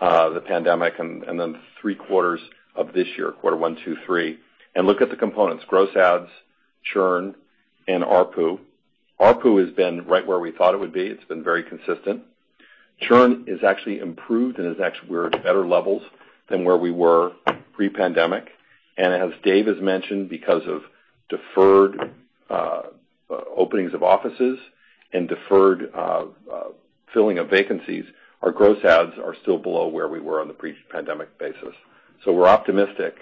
the pandemic and then three quarters of this year, quarter one, two, three, and look at the components, gross adds, churn, and ARPU. ARPU has been right where we thought it would be. It's been very consistent. Churn is actually improved, and actually we're at better levels than where we were pre-pandemic. As Dave has mentioned, because of deferred openings of offices and deferred filling of vacancies, our gross adds are still below where we were on the pre-pandemic basis. We're optimistic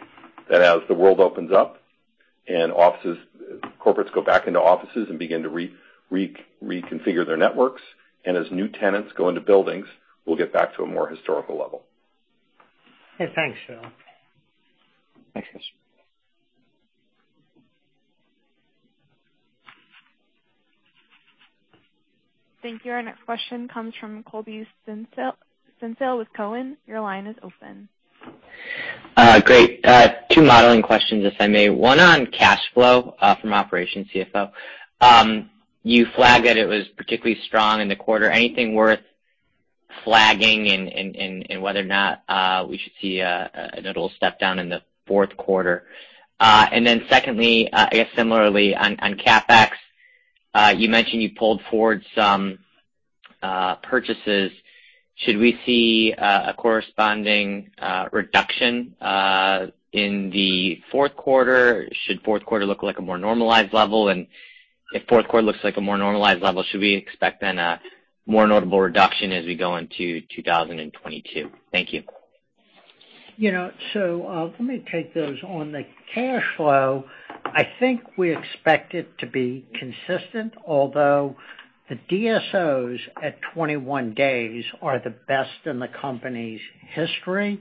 that as the world opens up and offices and corporates go back into offices and begin to reconfigure their networks. As new tenants go into buildings, we'll get back to a more historical level. Okay, thanks, Phil. Thanks, Phil Cusick. Thank you. Our next question comes from Colby Synesael with Cowen. Your line is open. Great. Two modeling questions, if I may. One on cash flow from operations CFO. You flagged that it was particularly strong in the quarter. Anything worth flagging in whether or not we should see a little step-down in the fourth quarter? And then secondly, I guess similarly on CapEx, you mentioned you pulled forward some purchases. Should we see a corresponding reduction in the fourth quarter? Should fourth quarter look like a more normalized level? If fourth quarter looks like a more normalized level, should we expect then a more notable reduction as we go into 2022? Thank you. You know, let me take those. On the cash flow, I think we expect it to be consistent, although the DSOs at 21 days are the best in the company's history.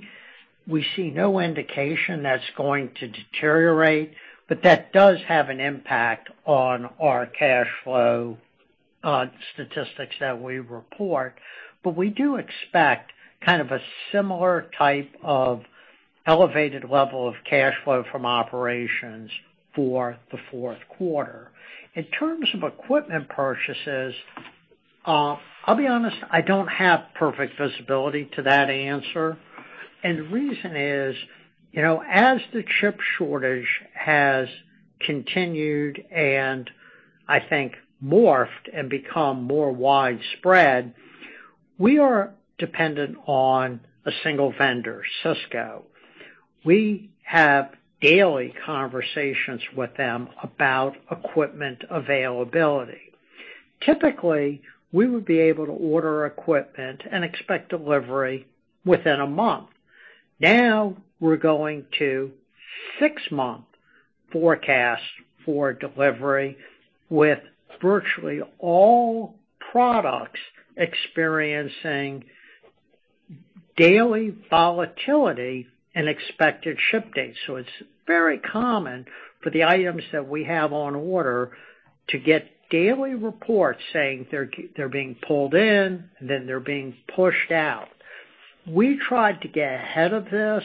We see no indication that's going to deteriorate, but that does have an impact on our cash flow statistics that we report. We do expect kind of a similar type of elevated level of cash flow from operations for the fourth quarter. In terms of equipment purchases, I'll be honest, I don't have perfect visibility to that answer. The reason is, you know, as the chip shortage has continued and I think morphed and become more widespread, we are dependent on a single vendor, Cisco. We have daily conversations with them about equipment availability. Typically, we would be able to order equipment and expect delivery within a month. Now we're going to 6-month forecasts for delivery with virtually all products experiencing daily volatility and expected ship dates. It's very common for the items that we have on order to get daily reports saying they're being pulled in, then they're being pushed out. We tried to get ahead of this.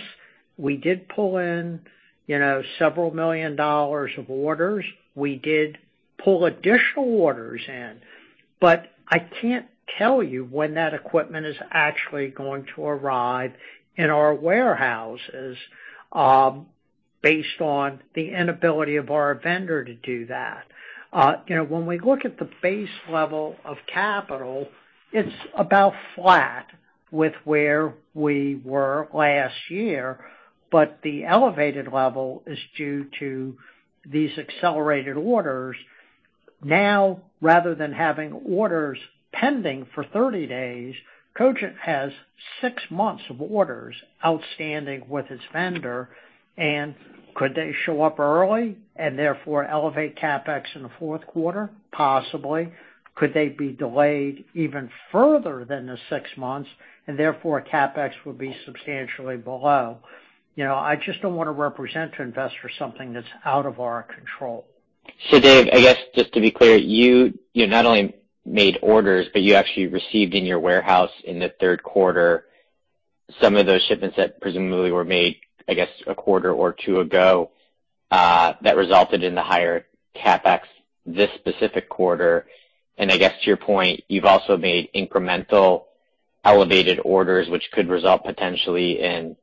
We did pull in, you know, $several million of orders. We did pull additional orders in, but I can't tell you when that equipment is actually going to arrive in our warehouses based on the inability of our vendor to do that. You know, when we look at the base level of capital, it's about flat with where we were last year, but the elevated level is due to these accelerated orders. Now, rather than having orders pending for 30 days, Cogent has 6 months of orders outstanding with its vendor. Could they show up early and therefore elevate CapEx in the fourth quarter? Possibly. Could they be delayed even further than the six months and therefore CapEx will be substantially below? You know, I just don't want to represent to investors something that's out of our control. Dave, I guess just to be clear, you not only made orders, but you actually received in your warehouse in the third quarter some of those shipments that presumably were made, I guess, a quarter or two ago, that resulted in the higher CapEx this specific quarter. I guess to your point, you've also made incremental elevated orders, which could result potentially in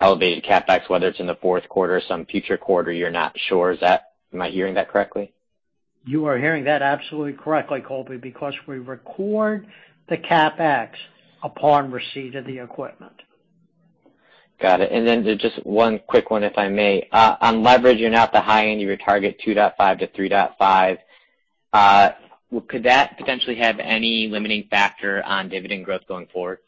elevated CapEx, whether it's in the fourth quarter or some future quarter, you're not sure. Is that, am I hearing that correctly? You are hearing that absolutely correctly, Colby, because we record the CapEx upon receipt of the equipment. Got it. Just one quick one, if I may. On leverage, you're not at the high end of your target, 2.5-3.5. Could that potentially have any limiting factor on dividend growth going forward?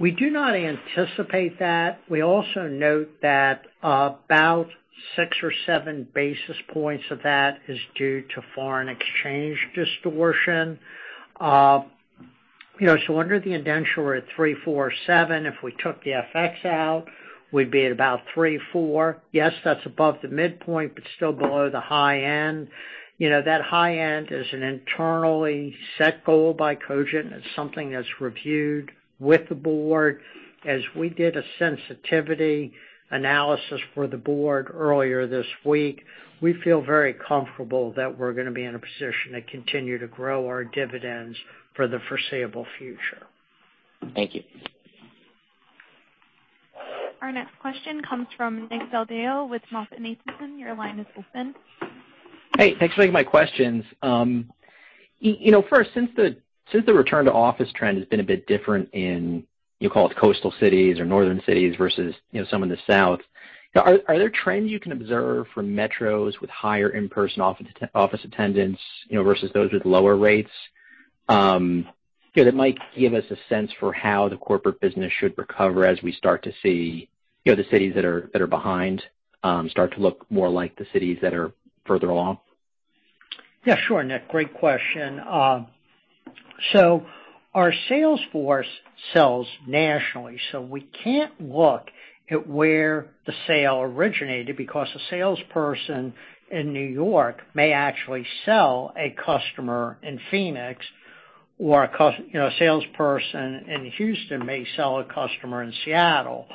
We do not anticipate that. We also note that about 6 or 7 basis points of that is due to foreign exchange distortion. You know, under the indenture, we're at 3.47. If we took the FX out, we'd be at about 3.4. Yes, that's above the midpoint, but still below the high end. You know, that high end is an internally set goal by Cogent. It's something that's reviewed with the board. As we did a sensitivity analysis for the board earlier this week, we feel very comfortable that we're gonna be in a position to continue to grow our dividends for the foreseeable future. Thank you. Our next question comes from Nick Del Deo with MoffettNathanson. Your line is open. Hey, thanks for taking my questions. You know, first, since the return to office trend has been a bit different in, you call it coastal cities or northern cities versus, you know, some in the south, are there trends you can observe from metros with higher in-person office attendance, you know, versus those with lower rates? Yeah, that might give us a sense for how the corporate business should recover as we start to see, you know, the cities that are behind start to look more like the cities that are further along. Yeah, sure, Nick, great question. Our sales force sells nationally, so we can't look at where the sale originated because a salesperson in New York may actually sell a customer in Phoenix or you know, a salesperson in Houston may sell a customer in Seattle.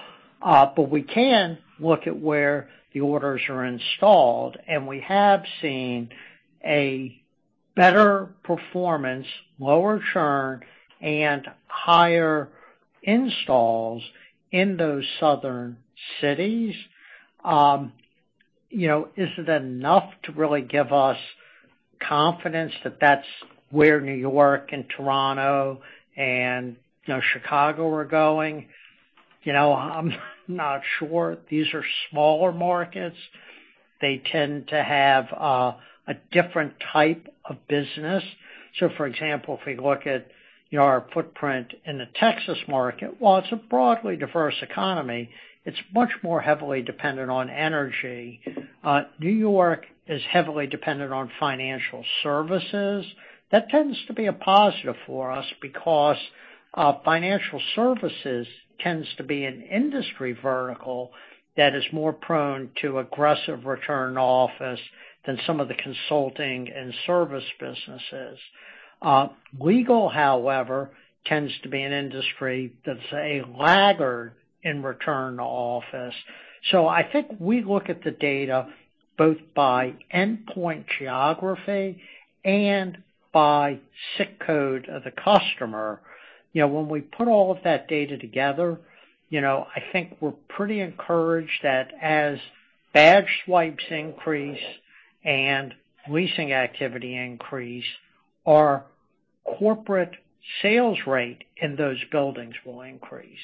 But we can look at where the orders are installed, and we have seen a better performance, lower churn, and higher installs in those southern cities. You know, is it enough to really give us confidence that that's where New York and Toronto and, you know, Chicago are going? You know, I'm not sure. These are smaller markets. They tend to have a different type of business. For example, if we look at our footprint in the Texas market, while it's a broadly diverse economy, it's much more heavily dependent on energy. New York is heavily dependent on financial services. That tends to be a positive for us because, financial services tends to be an industry vertical that is more prone to aggressive return to office than some of the consulting and service businesses. Legal, however, tends to be an industry that's a laggard in return to office. I think we look at the data both by endpoint geography and by SIC code of the customer. You know, when we put all of that data together, you know, I think we're pretty encouraged that as badge swipes increase and leasing activity increase, our corporate sales rate in those buildings will increase.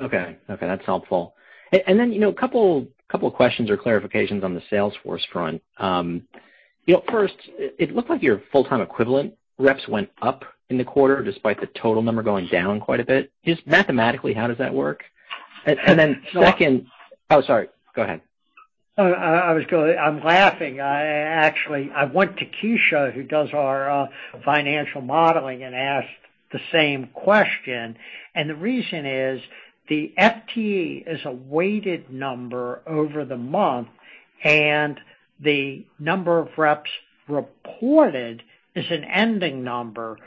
Okay. Okay, that's helpful. You know, a couple questions or clarifications on the sales force front. You know, first, it looked like your full-time equivalent reps went up in the quarter despite the total number going down quite a bit. Just mathematically, how does that work? Second- So- Oh, sorry, go ahead. No, I was gonna... I'm laughing. I actually went to Keisha, who does our financial modeling, and asked the same question. The reason is the FTE is a weighted number over the month, and the number of reps reported is an ending number.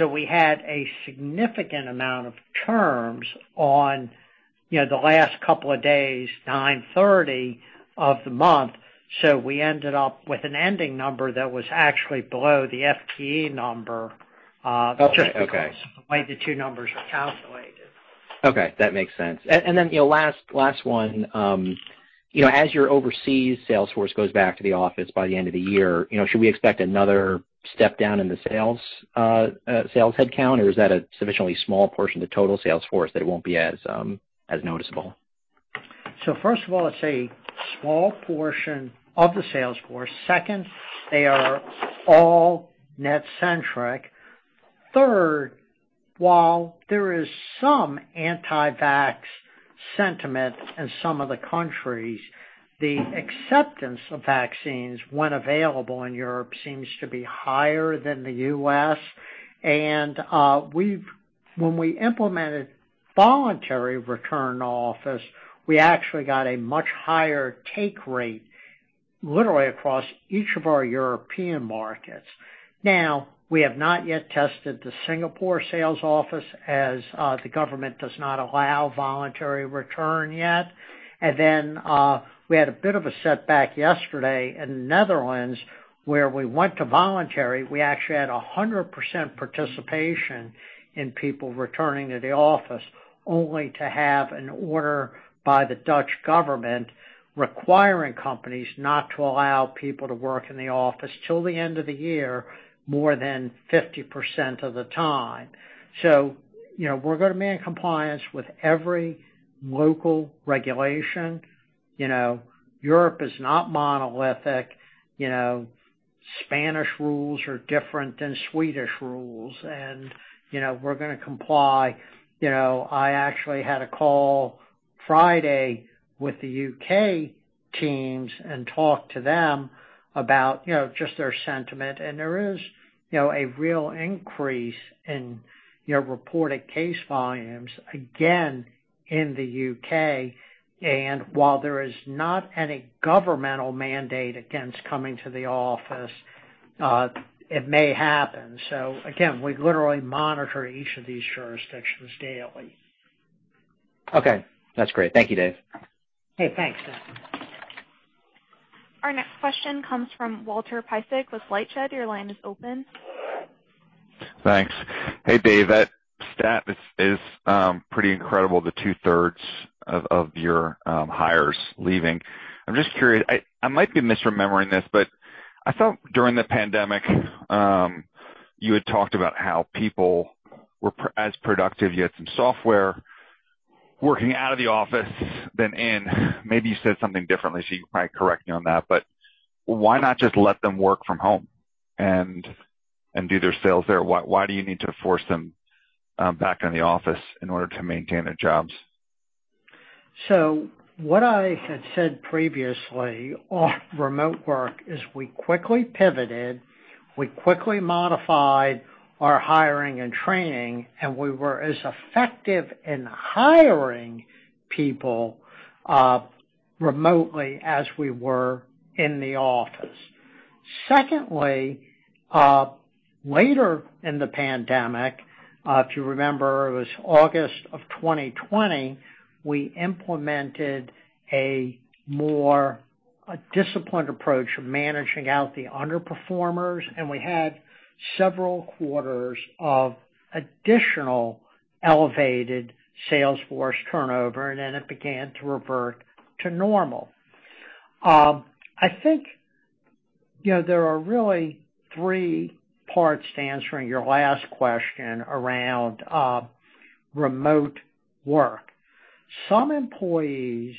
We had a significant amount of terms on, you know, the last couple of days, nine thirty of the month. We ended up with an ending number that was actually below the FTE number. Okay. Just because the way the two numbers are calculated. Okay, that makes sense. You know, last one. You know, as your overseas sales force goes back to the office by the end of the year, you know, should we expect another step down in the sales headcount, or is that a sufficiently small portion of the total sales force that it won't be as noticeable? First of all, it's a small portion of the sales force. Second, they are all NetCentric. Third, while there is some anti-vax sentiment in some of the countries, the acceptance of vaccines when available in Europe seems to be higher than the U.S. We've when we implemented voluntary return to office, we actually got a much higher take rate, literally across each of our European markets. Now, we have not yet tested the Singapore sales office, as the government does not allow voluntary return yet. We had a bit of a setback yesterday in the Netherlands, where we went to voluntary. We actually had 100% participation in people returning to the office, only to have an order by the Dutch government requiring companies not to allow people to work in the office till the end of the year more than 50% of the time. You know, we're gonna remain in compliance with every local regulation. You know, Europe is not monolithic. You know, Spanish rules are different than Swedish rules and, you know, we're gonna comply. You know, I actually had a call Friday with the U.K. teams and talked to them about, you know, just their sentiment. There is, you know, a real increase in, you know, reported case volumes again in the U.K. While there is not any governmental mandate against coming to the office, it may happen. Again, we literally monitor each of these jurisdictions daily. Okay, that's great. Thank you, Dave. Hey, thanks, Nick. Our next question comes from Walter Piecyk with LightShed. Your line is open. Thanks. Hey, Dave, that stat is pretty incredible, the two-thirds of your hires leaving. I'm just curious. I might be misremembering this, but I felt during the pandemic you had talked about how people were as productive working out of the office as in. Maybe you said something differently, so you can probably correct me on that, but why not just let them work from home and do their sales there? Why do you need to force them back in the office in order to maintain their jobs? What I had said previously on remote work is we quickly pivoted, we quickly modified our hiring and training, and we were as effective in hiring people, remotely as we were in the office. Secondly, later in the pandemic, if you remember, it was August of 2020, we implemented a more disciplined approach of managing out the underperformers, and we had several quarters of additional elevated sales force turnover, and then it began to revert to normal. I think, you know, there are really three parts to answering your last question around, remote work. Some employees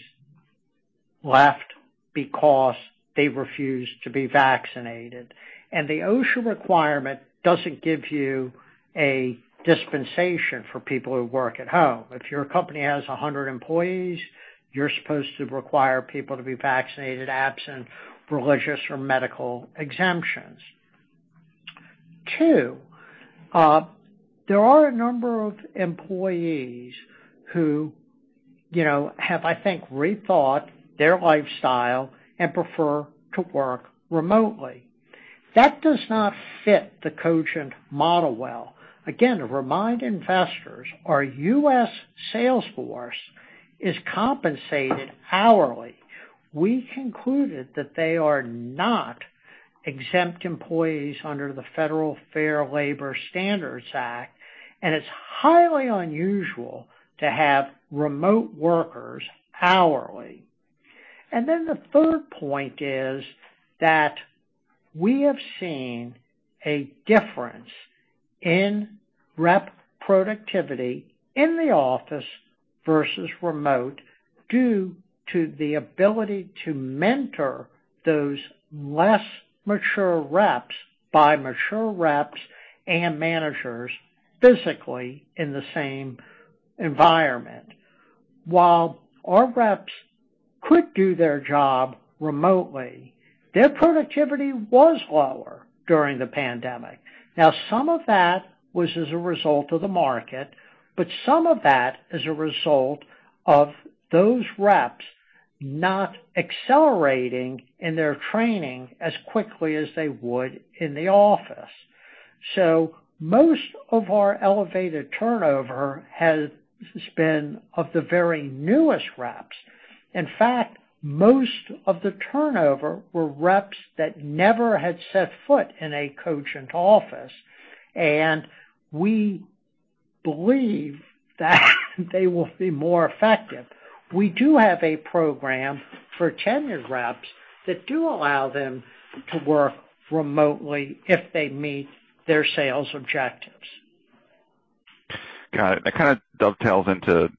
left because they refused to be vaccinated, and the OSHA requirement doesn't give you a dispensation for people who work at home. If your company has 100 employees, you're supposed to require people to be vaccinated absent religious or medical exemptions. Two, there are a number of employees who, you know, have, I think, rethought their lifestyle and prefer to work remotely. That does not fit the Cogent model well. Again, to remind investors, our U.S. sales force is compensated hourly. We concluded that they are not exempt employees under the Federal Fair Labor Standards Act, and it's highly unusual to have remote workers hourly. The third point is that we have seen a difference in rep productivity in the office versus remote due to the ability to mentor those less mature reps by mature reps and managers physically in the same environment. While our reps could do their job remotely, their productivity was lower during the pandemic. Now, some of that was as a result of the market, but some of that is a result of those reps not accelerating in their training as quickly as they would in the office. Most of our elevated turnover has been of the very newest reps. In fact, most of the turnover were reps that never had set foot in a Cogent office, and we believe that they will be more effective. We do have a program for tenured reps that do allow them to work remotely if they meet their sales objectives. Got it. That kinda dovetails into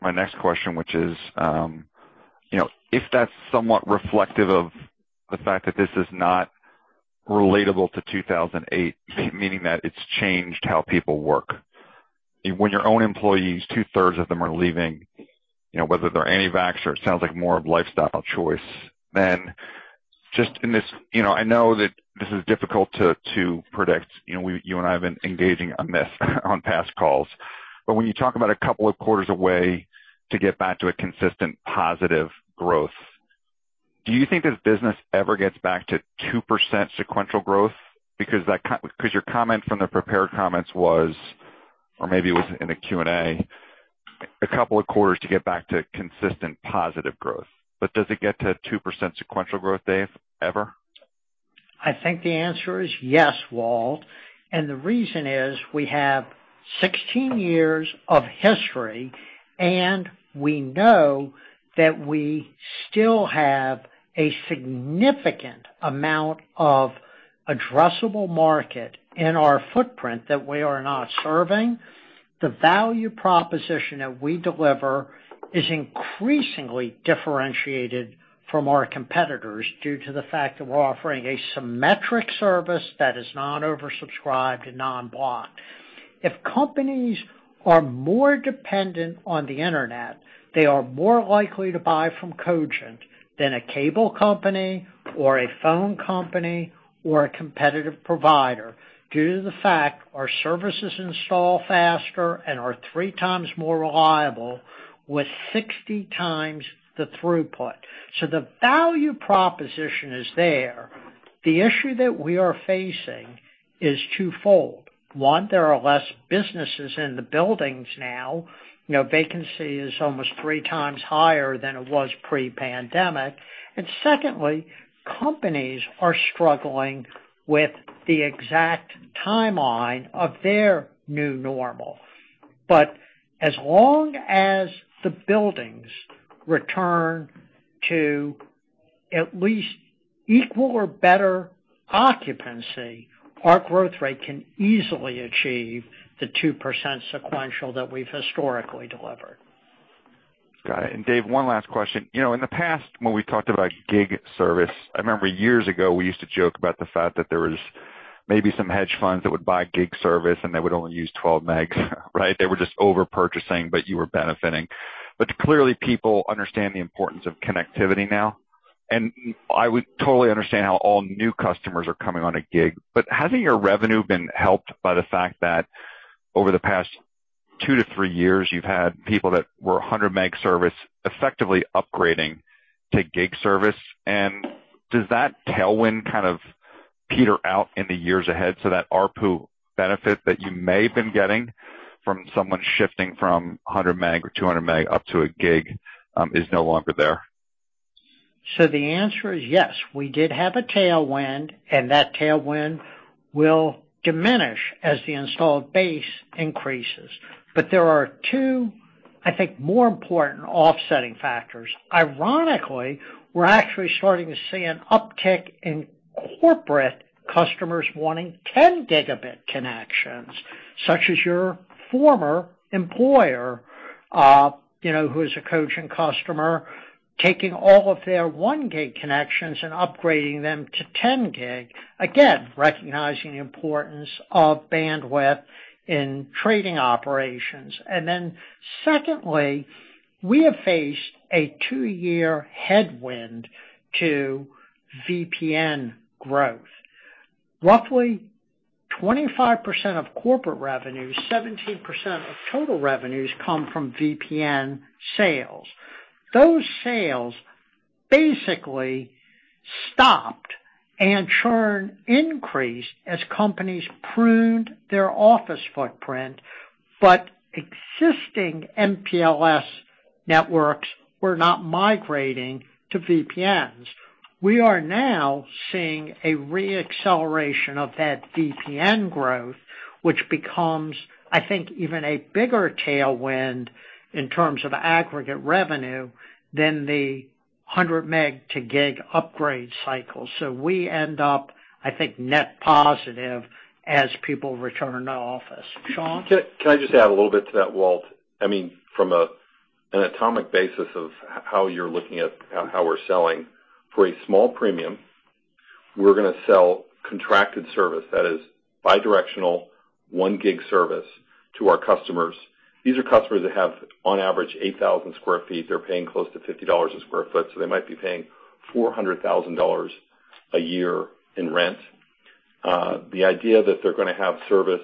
my next question, which is, you know, if that's somewhat reflective of the fact that this is not related to 2008, meaning that it's changed how people work. When your own employees, two-thirds of them are leaving, you know, whether they're anti-vaxxer, it sounds like more of lifestyle choice than just in this. You know, I know that this is difficult to predict. You know, you and I have been engaging on this on past calls. But when you talk about a couple of quarters away to get back to a consistent positive growth, do you think this business ever gets back to 2% sequential growth? Because 'cause your comment from the prepared comments was, or maybe it was in the Q&A, a couple of quarters to get back to consistent positive growth. Does it get to 2% sequential growth, Dave, ever? I think the answer is yes, Walt. The reason is we have 16 years of history, and we know that we still have a significant amount of addressable market in our footprint that we are not serving. The value proposition that we deliver is increasingly differentiated from our competitors due to the fact that we're offering a symmetric service that is not oversubscribed and non-blocked. If companies are more dependent on the Internet, they are more likely to buy from Cogent than a cable company or a phone company or a competitive provider due to the fact our services install faster and are 3 times more reliable with 60 times the throughput. The value proposition is there. The issue that we are facing is twofold. One, there are less businesses in the buildings now. You know, vacancy is almost 3 times higher than it was pre-pandemic. Secondly, companies are struggling with the exact timeline of their new normal. As long as the buildings return to at least equal or better occupancy, our growth rate can easily achieve the 2% sequential that we've historically delivered. Got it. Dave, one last question. You know, in the past, when we talked about gig service, I remember years ago we used to joke about the fact that there was maybe some hedge funds that would buy gig service, and they would only use 12 meg, right? They were just over purchasing, but you were benefiting. Clearly, people understand the importance of connectivity now, and I would totally understand how all new customers are coming on a gig. Hasn't your revenue been helped by the fact that over the past 2-3 years you've had people that were 100 meg service effectively upgrading to gig service? Does that tailwind kind of peter out in the years ahead so that ARPU benefit that you may have been getting from someone shifting from 100 meg or 200 meg up to 1 gig is no longer there? The answer is yes. We did have a tailwind, and that tailwind will diminish as the installed base increases. There are two, I think, more important offsetting factors. Ironically, we're actually starting to see an uptick in corporate customers wanting 10 gigabit connections, such as your former employer, who is a Cogent customer, taking all of their 1 gig connections and upgrading them to 10 gig. Again, recognizing the importance of bandwidth in trading operations. Then secondly, we have faced a two-year headwind to VPN growth. Roughly 25% of corporate revenues, 17% of total revenues come from VPN sales. Those sales basically stopped and churn increased as companies pruned their office footprint, but existing MPLS networks were not migrating to VPNs. We are now seeing a re-acceleration of that VPN growth, which becomes, I think, even a bigger tailwind in terms of aggregate revenue than the 100 meg to gig upgrade cycle. We end up, I think, net positive as people return to office. Sean? Can I just add a little bit to that, Walt? I mean, from an atomic basis of how you're looking at how we're selling. For a small premium, we're gonna sell contracted service that is bi-directional one gig service to our customers. These are customers that have, on average, 8,000 sq ft. They're paying close to $50 a sq ft, so they might be paying $400,000 a year in rent. The idea that they're gonna have service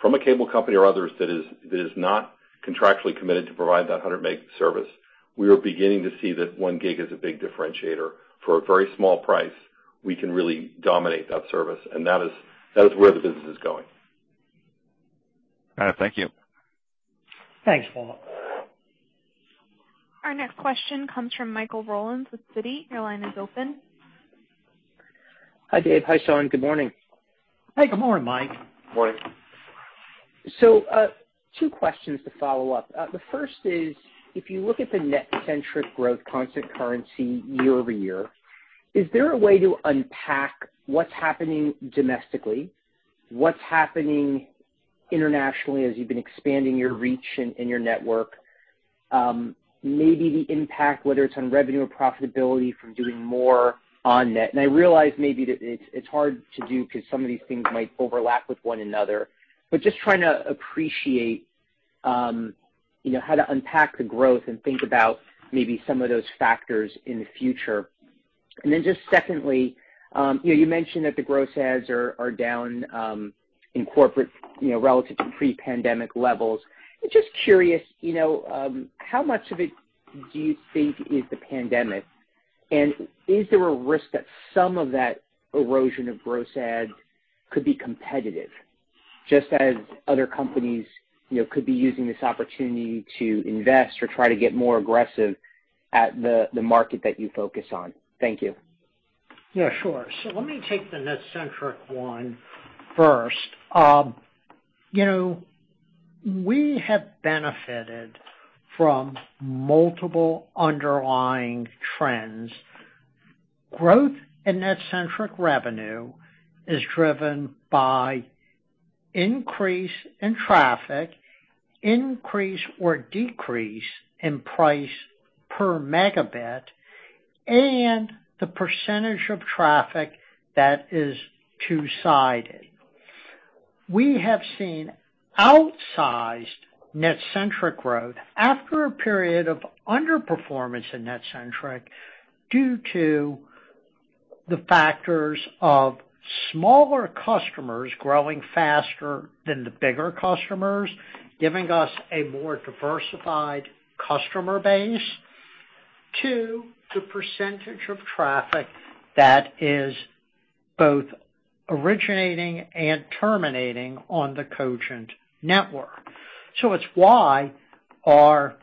from a cable company or others that is not contractually committed to provide that 100 meg service, we are beginning to see that one gig is a big differentiator. For a very small price, we can really dominate that service, and that is where the business is going. All right. Thank you. Thanks, Walt. Our next question comes from Michael Rollins with Citi. Your line is open. Hi, Dave. Hi, Sean. Good morning. Hey, good morning, Mike. Morning. Two questions to follow up. The first is, if you look at the NetCentric growth constant currency year-over-year, is there a way to unpack what's happening domestically, what's happening internationally as you've been expanding your reach in your network? Maybe the impact, whether it's on revenue or profitability from doing more on net. I realize maybe that it's hard to do 'cause some of these things might overlap with one another. Just trying to appreciate, you know, how to unpack the growth and think about maybe some of those factors in the future. Then just secondly, you know, you mentioned that the gross adds are down in corporate, you know, relative to pre-pandemic levels. Just curious, you know, how much of it do you think is the pandemic? Is there a risk that some of that erosion of gross adds could be competitive, just as other companies, you know, could be using this opportunity to invest or try to get more aggressive at the market that you focus on? Thank you. Yeah, sure. Let me take the NetCentric one first. You know, we have benefited from multiple underlying trends. Growth in NetCentric revenue is driven by increase in traffic, increase or decrease in price per megabit, and the percentage of traffic that is two-sided. We have seen outsized NetCentric growth after a period of underperformance in NetCentric due to the factors of smaller customers growing faster than the bigger customers, giving us a more diversified customer base due to the percentage of traffic that is both originating and terminating on the Cogent network. It's why our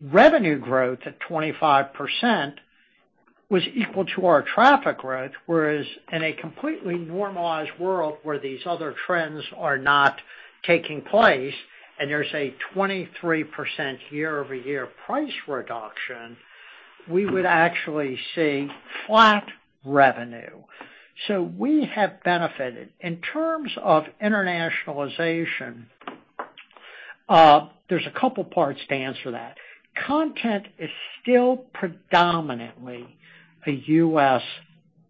revenue growth at 25% was equal to our traffic growth. Whereas in a completely normalized world where these other trends are not taking place, and there's a 23% year-over-year price reduction, we would actually see flat revenue. We have benefited. In terms of internationalization, there's a couple parts to answer that. Content is still predominantly a U.S.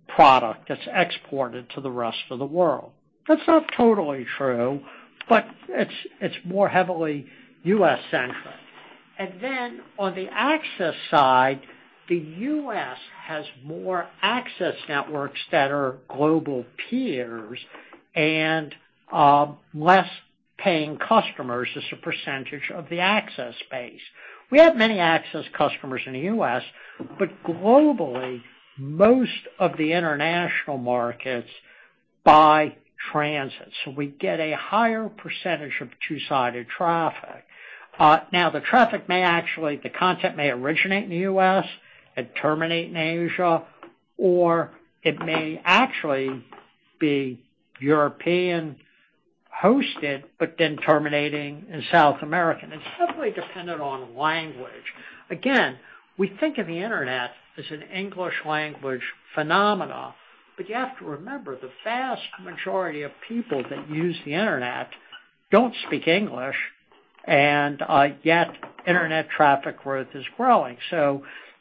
product that's exported to the rest of the world. That's not totally true, but it's more heavily U.S.-centric. Then on the access side, the U.S. has more access networks that are global peers and less paying customers as a percentage of the access base. We have many access customers in the U.S., but globally, most of the international markets buy transit, so we get a higher percentage of two-sided traffic. Now the content may originate in the U.S., it terminate in Asia, or it may actually be European-hosted, but then terminating in South America. It's heavily dependent on language. Again, we think of the internet as an English language phenomenon, but you have to remember, the vast majority of people that use the internet don't speak English, and yet internet traffic growth is growing.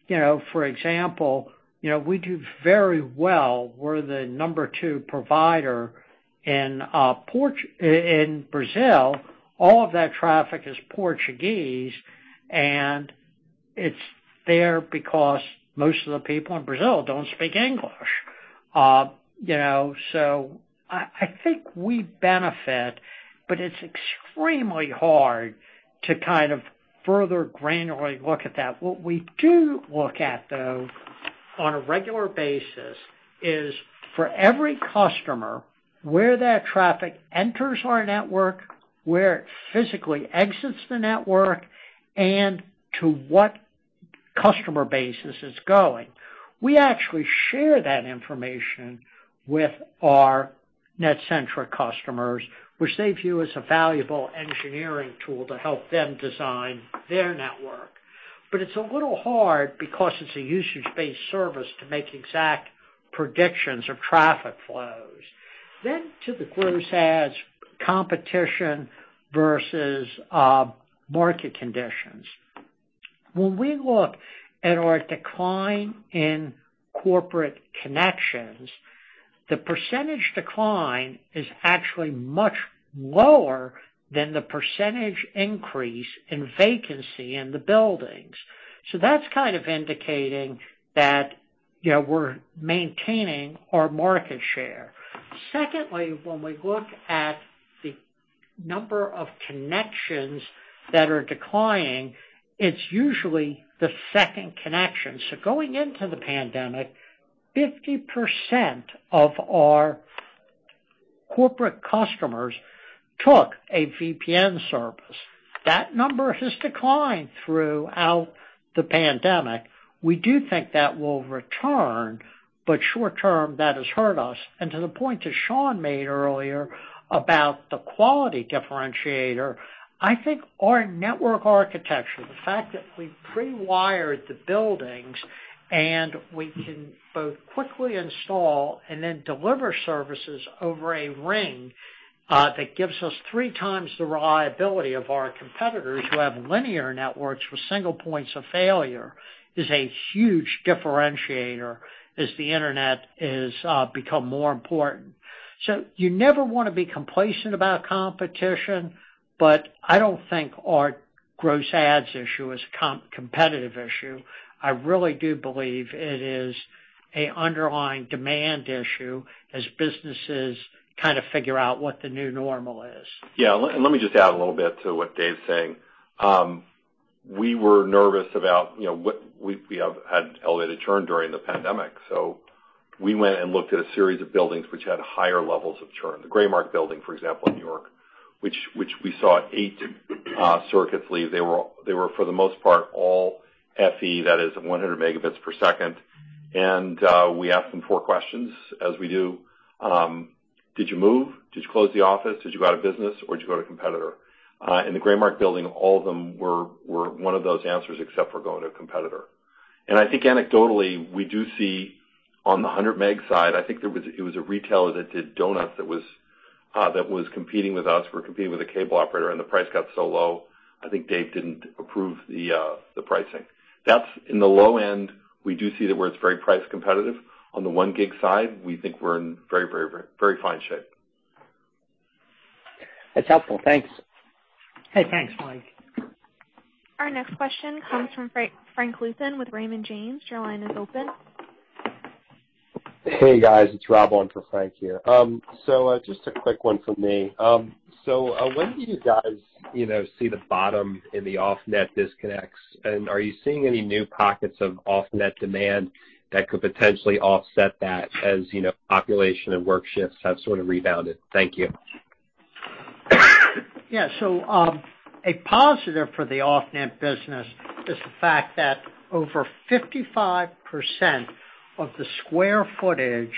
You know, for example, you know, we do very well. We're the number 2 provider in Brazil. All of that traffic is Portuguese, and it's there because most of the people in Brazil don't speak English. You know, I think we benefit, but it's extremely hard to kind of further granularly look at that. What we do look at, though, on a regular basis is for every customer, where that traffic enters our network, where it physically exits the network, and to what customer base is this going? We actually share that information with our NetCentric customers, which they view as a valuable engineering tool to help them design their network. But it's a little hard because it's a usage-based service to make exact predictions of traffic flows. To the gross adds competition versus market conditions. When we look at our decline in corporate connections, the percentage decline is actually much lower than the percentage increase in vacancy in the buildings. That's kind of indicating that, you know, we're maintaining our market share. Secondly, when we look at the number of connections that are declining, it's usually the second connection. Going into the pandemic, 50% of our corporate customers took a VPN service. That number has declined throughout the pandemic. We do think that will return, but short-term, that has hurt us. To the point that Sean made earlier about the quality differentiator, I think our network architecture, the fact that we pre-wired the buildings and we can both quickly install and then deliver services over a ring, that gives us three times the reliability of our competitors who have linear networks with single points of failure, is a huge differentiator as the internet has become more important. You never wanna be complacent about competition, but I don't think our gross adds issue is competitive issue. I really do believe it is an underlying demand issue as businesses kind of figure out what the new normal is. Yeah. Let me just add a little bit to what Dave's saying. We were nervous about what we have had elevated churn during the pandemic. We went and looked at a series of buildings which had higher levels of churn. The Graybar Building, for example, in New York, which we saw 8 circuits leave. They were, for the most part, all FE, that is 100 megabits per second. We asked them 4 questions as we do. Did you move? Did you close the office? Did you go out of business, or did you go to a competitor? The Graybar Building, all of them were one of those answers except for going to a competitor. I think anecdotally, we do see on the 100 meg side, I think there was. It was a retailer that did donuts that was competing with us. We're competing with a cable operator, and the price got so low, I think Dave didn't approve the pricing. That's in the low end. We do see that where it's very price competitive. On the one gig side, we think we're in very fine shape. That's helpful. Thanks. Hey, thanks, Mike. Our next question comes from Frank Louthan with Raymond James. Your line is open. Hey, guys. It's Rob on for Frank here. Just a quick one from me. When do you guys, you know, see the bottom in the off-net disconnects? Are you seeing any new pockets of off-net demand that could potentially offset that as, you know, population and work shifts have sort of rebounded? Thank you. Yeah. A positive for the off-net business is the fact that over 55% of the sq ft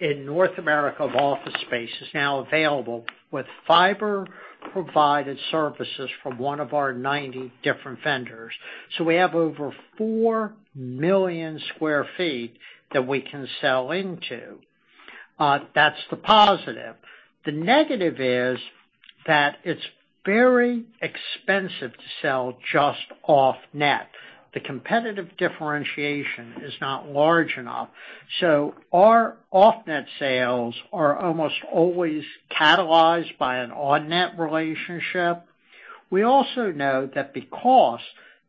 in North America of office space is now available with fiber-provided services from one of our 90 different vendors. We have over 4 million sq ft that we can sell into. That's the positive. The negative is that it's very expensive to sell just off-net. The competitive differentiation is not large enough, so our off-net sales are almost always catalyzed by an on-net relationship. We also know that because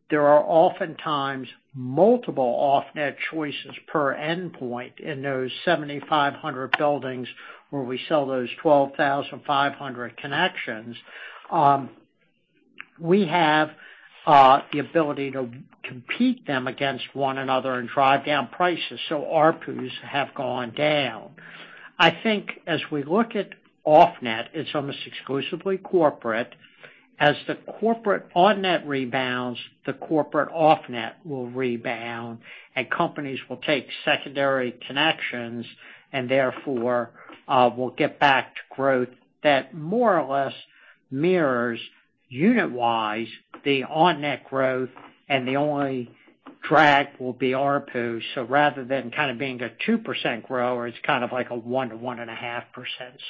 there are oftentimes multiple off-net choices per endpoint in those 7,500 buildings where we sell those 12,500 connections, we have the ability to compete them against one another and drive down prices, so ARPU have gone down. I think as we look at off-net, it's almost exclusively corporate. As the corporate on-net rebounds, the corporate off-net will rebound, and companies will take secondary connections and therefore will get back to growth that more or less mirrors, unit-wise, the on-net growth, and the only drag will be ARPU. Rather than kind of being a 2% grower, it's kind of like a 1%-1.5%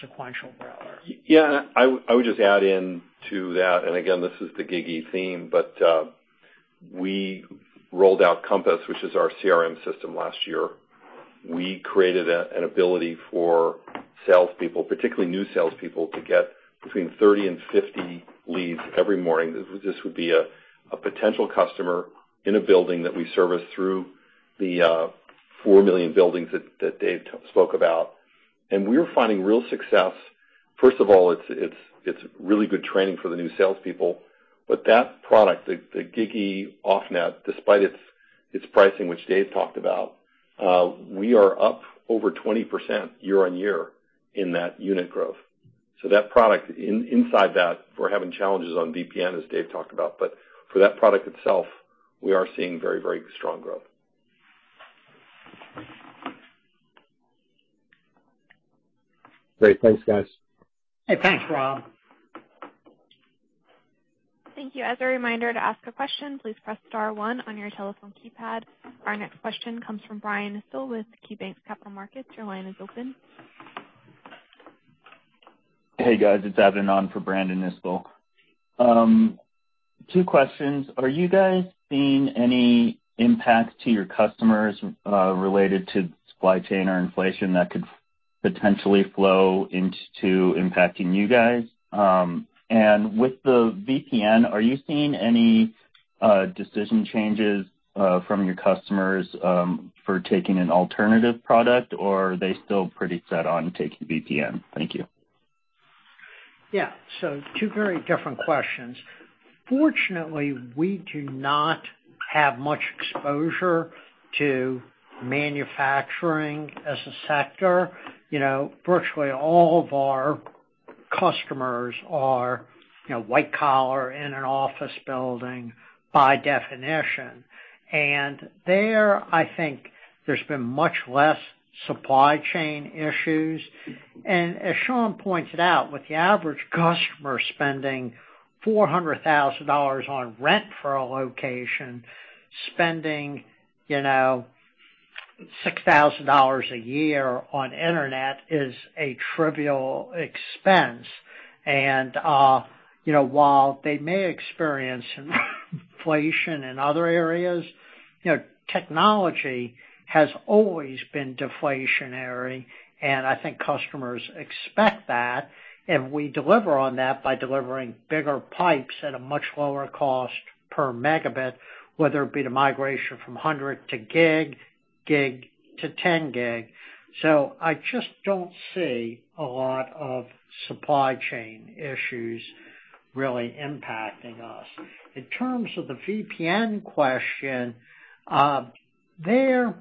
sequential grower. Yeah. I would just add in to that, and again, this is the GigE theme, but we rolled out Compass, which is our CRM system, last year. We created an ability for salespeople, particularly new salespeople, to get between 30 and 50 leads every morning. This would be a potential customer in a building that we service through the 4 million buildings that Dave spoke about. We're finding real success. First of all, it's really good training for the new salespeople. That product, the GigE off-net, despite its pricing, which Dave talked about, we are up over 20% year-on-year in that unit growth. That product, inside that, we're having challenges on VPN, as Dave talked about. For that product itself, we are seeing very strong growth. Great. Thanks, guys. Hey, thanks, Rob. Thank you. As a reminder, to ask a question, please press star one on your telephone keypad. Our next question comes from Brandon Nispel with KeyBanc Capital Markets. Your line is open. Hey, guys. It's Abdon on for Brandon Nispel. Two questions. Are you guys seeing any impact to your customers, related to supply chain or inflation that could potentially flow into impacting you guys? With the VPN, are you seeing any decision changes from your customers for taking an alternative product, or are they still pretty set on taking VPN? Thank you. Yeah. Two very different questions. Fortunately, we do not have much exposure to manufacturing as a sector. You know, virtually all of our customers are, you know, white collar in an office building by definition. There, I think there's been much less supply chain issues. As Sean pointed out, with the average customer spending $400,000 on rent for a location, spending, you know, $6,000 a year on internet is a trivial expense. You know, while they may experience inflation in other areas, you know, technology has always been deflationary, and I think customers expect that, and we deliver on that by delivering bigger pipes at a much lower cost per megabit, whether it be the migration from 100 to gig to 10 gig. I just don't see a lot of supply chain issues really impacting us. In terms of the VPN question, there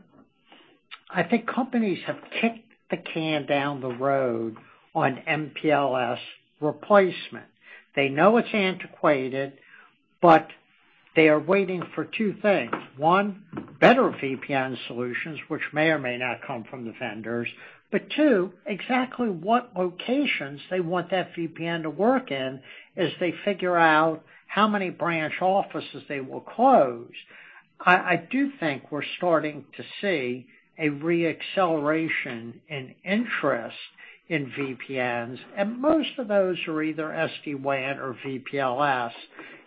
I think companies have kicked the can down the road on MPLS replacement. They know it's antiquated, but they are waiting for two things. One, better VPN solutions, which may or may not come from the vendors. Two, exactly what locations they want that VPN to work in as they figure out how many branch offices they will close. I do think we're starting to see a re-acceleration in interest in VPNs, and most of those are either SD-WAN or VPLS,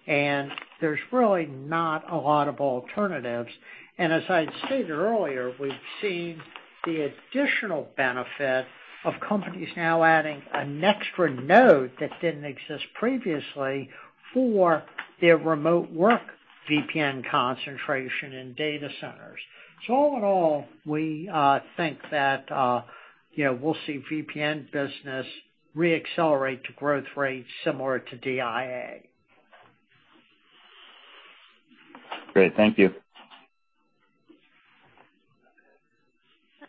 and there's really not a lot of alternatives. As I stated earlier, we've seen the additional benefit of companies now adding an extra node that didn't exist previously for their remote work VPN concentration in data centers. All in all, we think that, you know, we'll see VPN business re-accelerate to growth rates similar to DIA. Great. Thank you.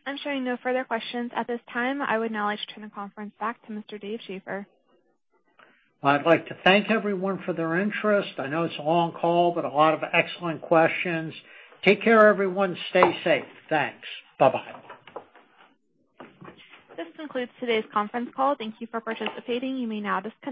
I'm showing no further questions at this time. I would now like to turn the conference back to Mr. Dave Schaeffer. I'd like to thank everyone for their interest. I know it's a long call, but a lot of excellent questions. Take care, everyone. Stay safe. Thanks. Bye-bye. This concludes today's conference call. Thank you for participating. You may now disconnect.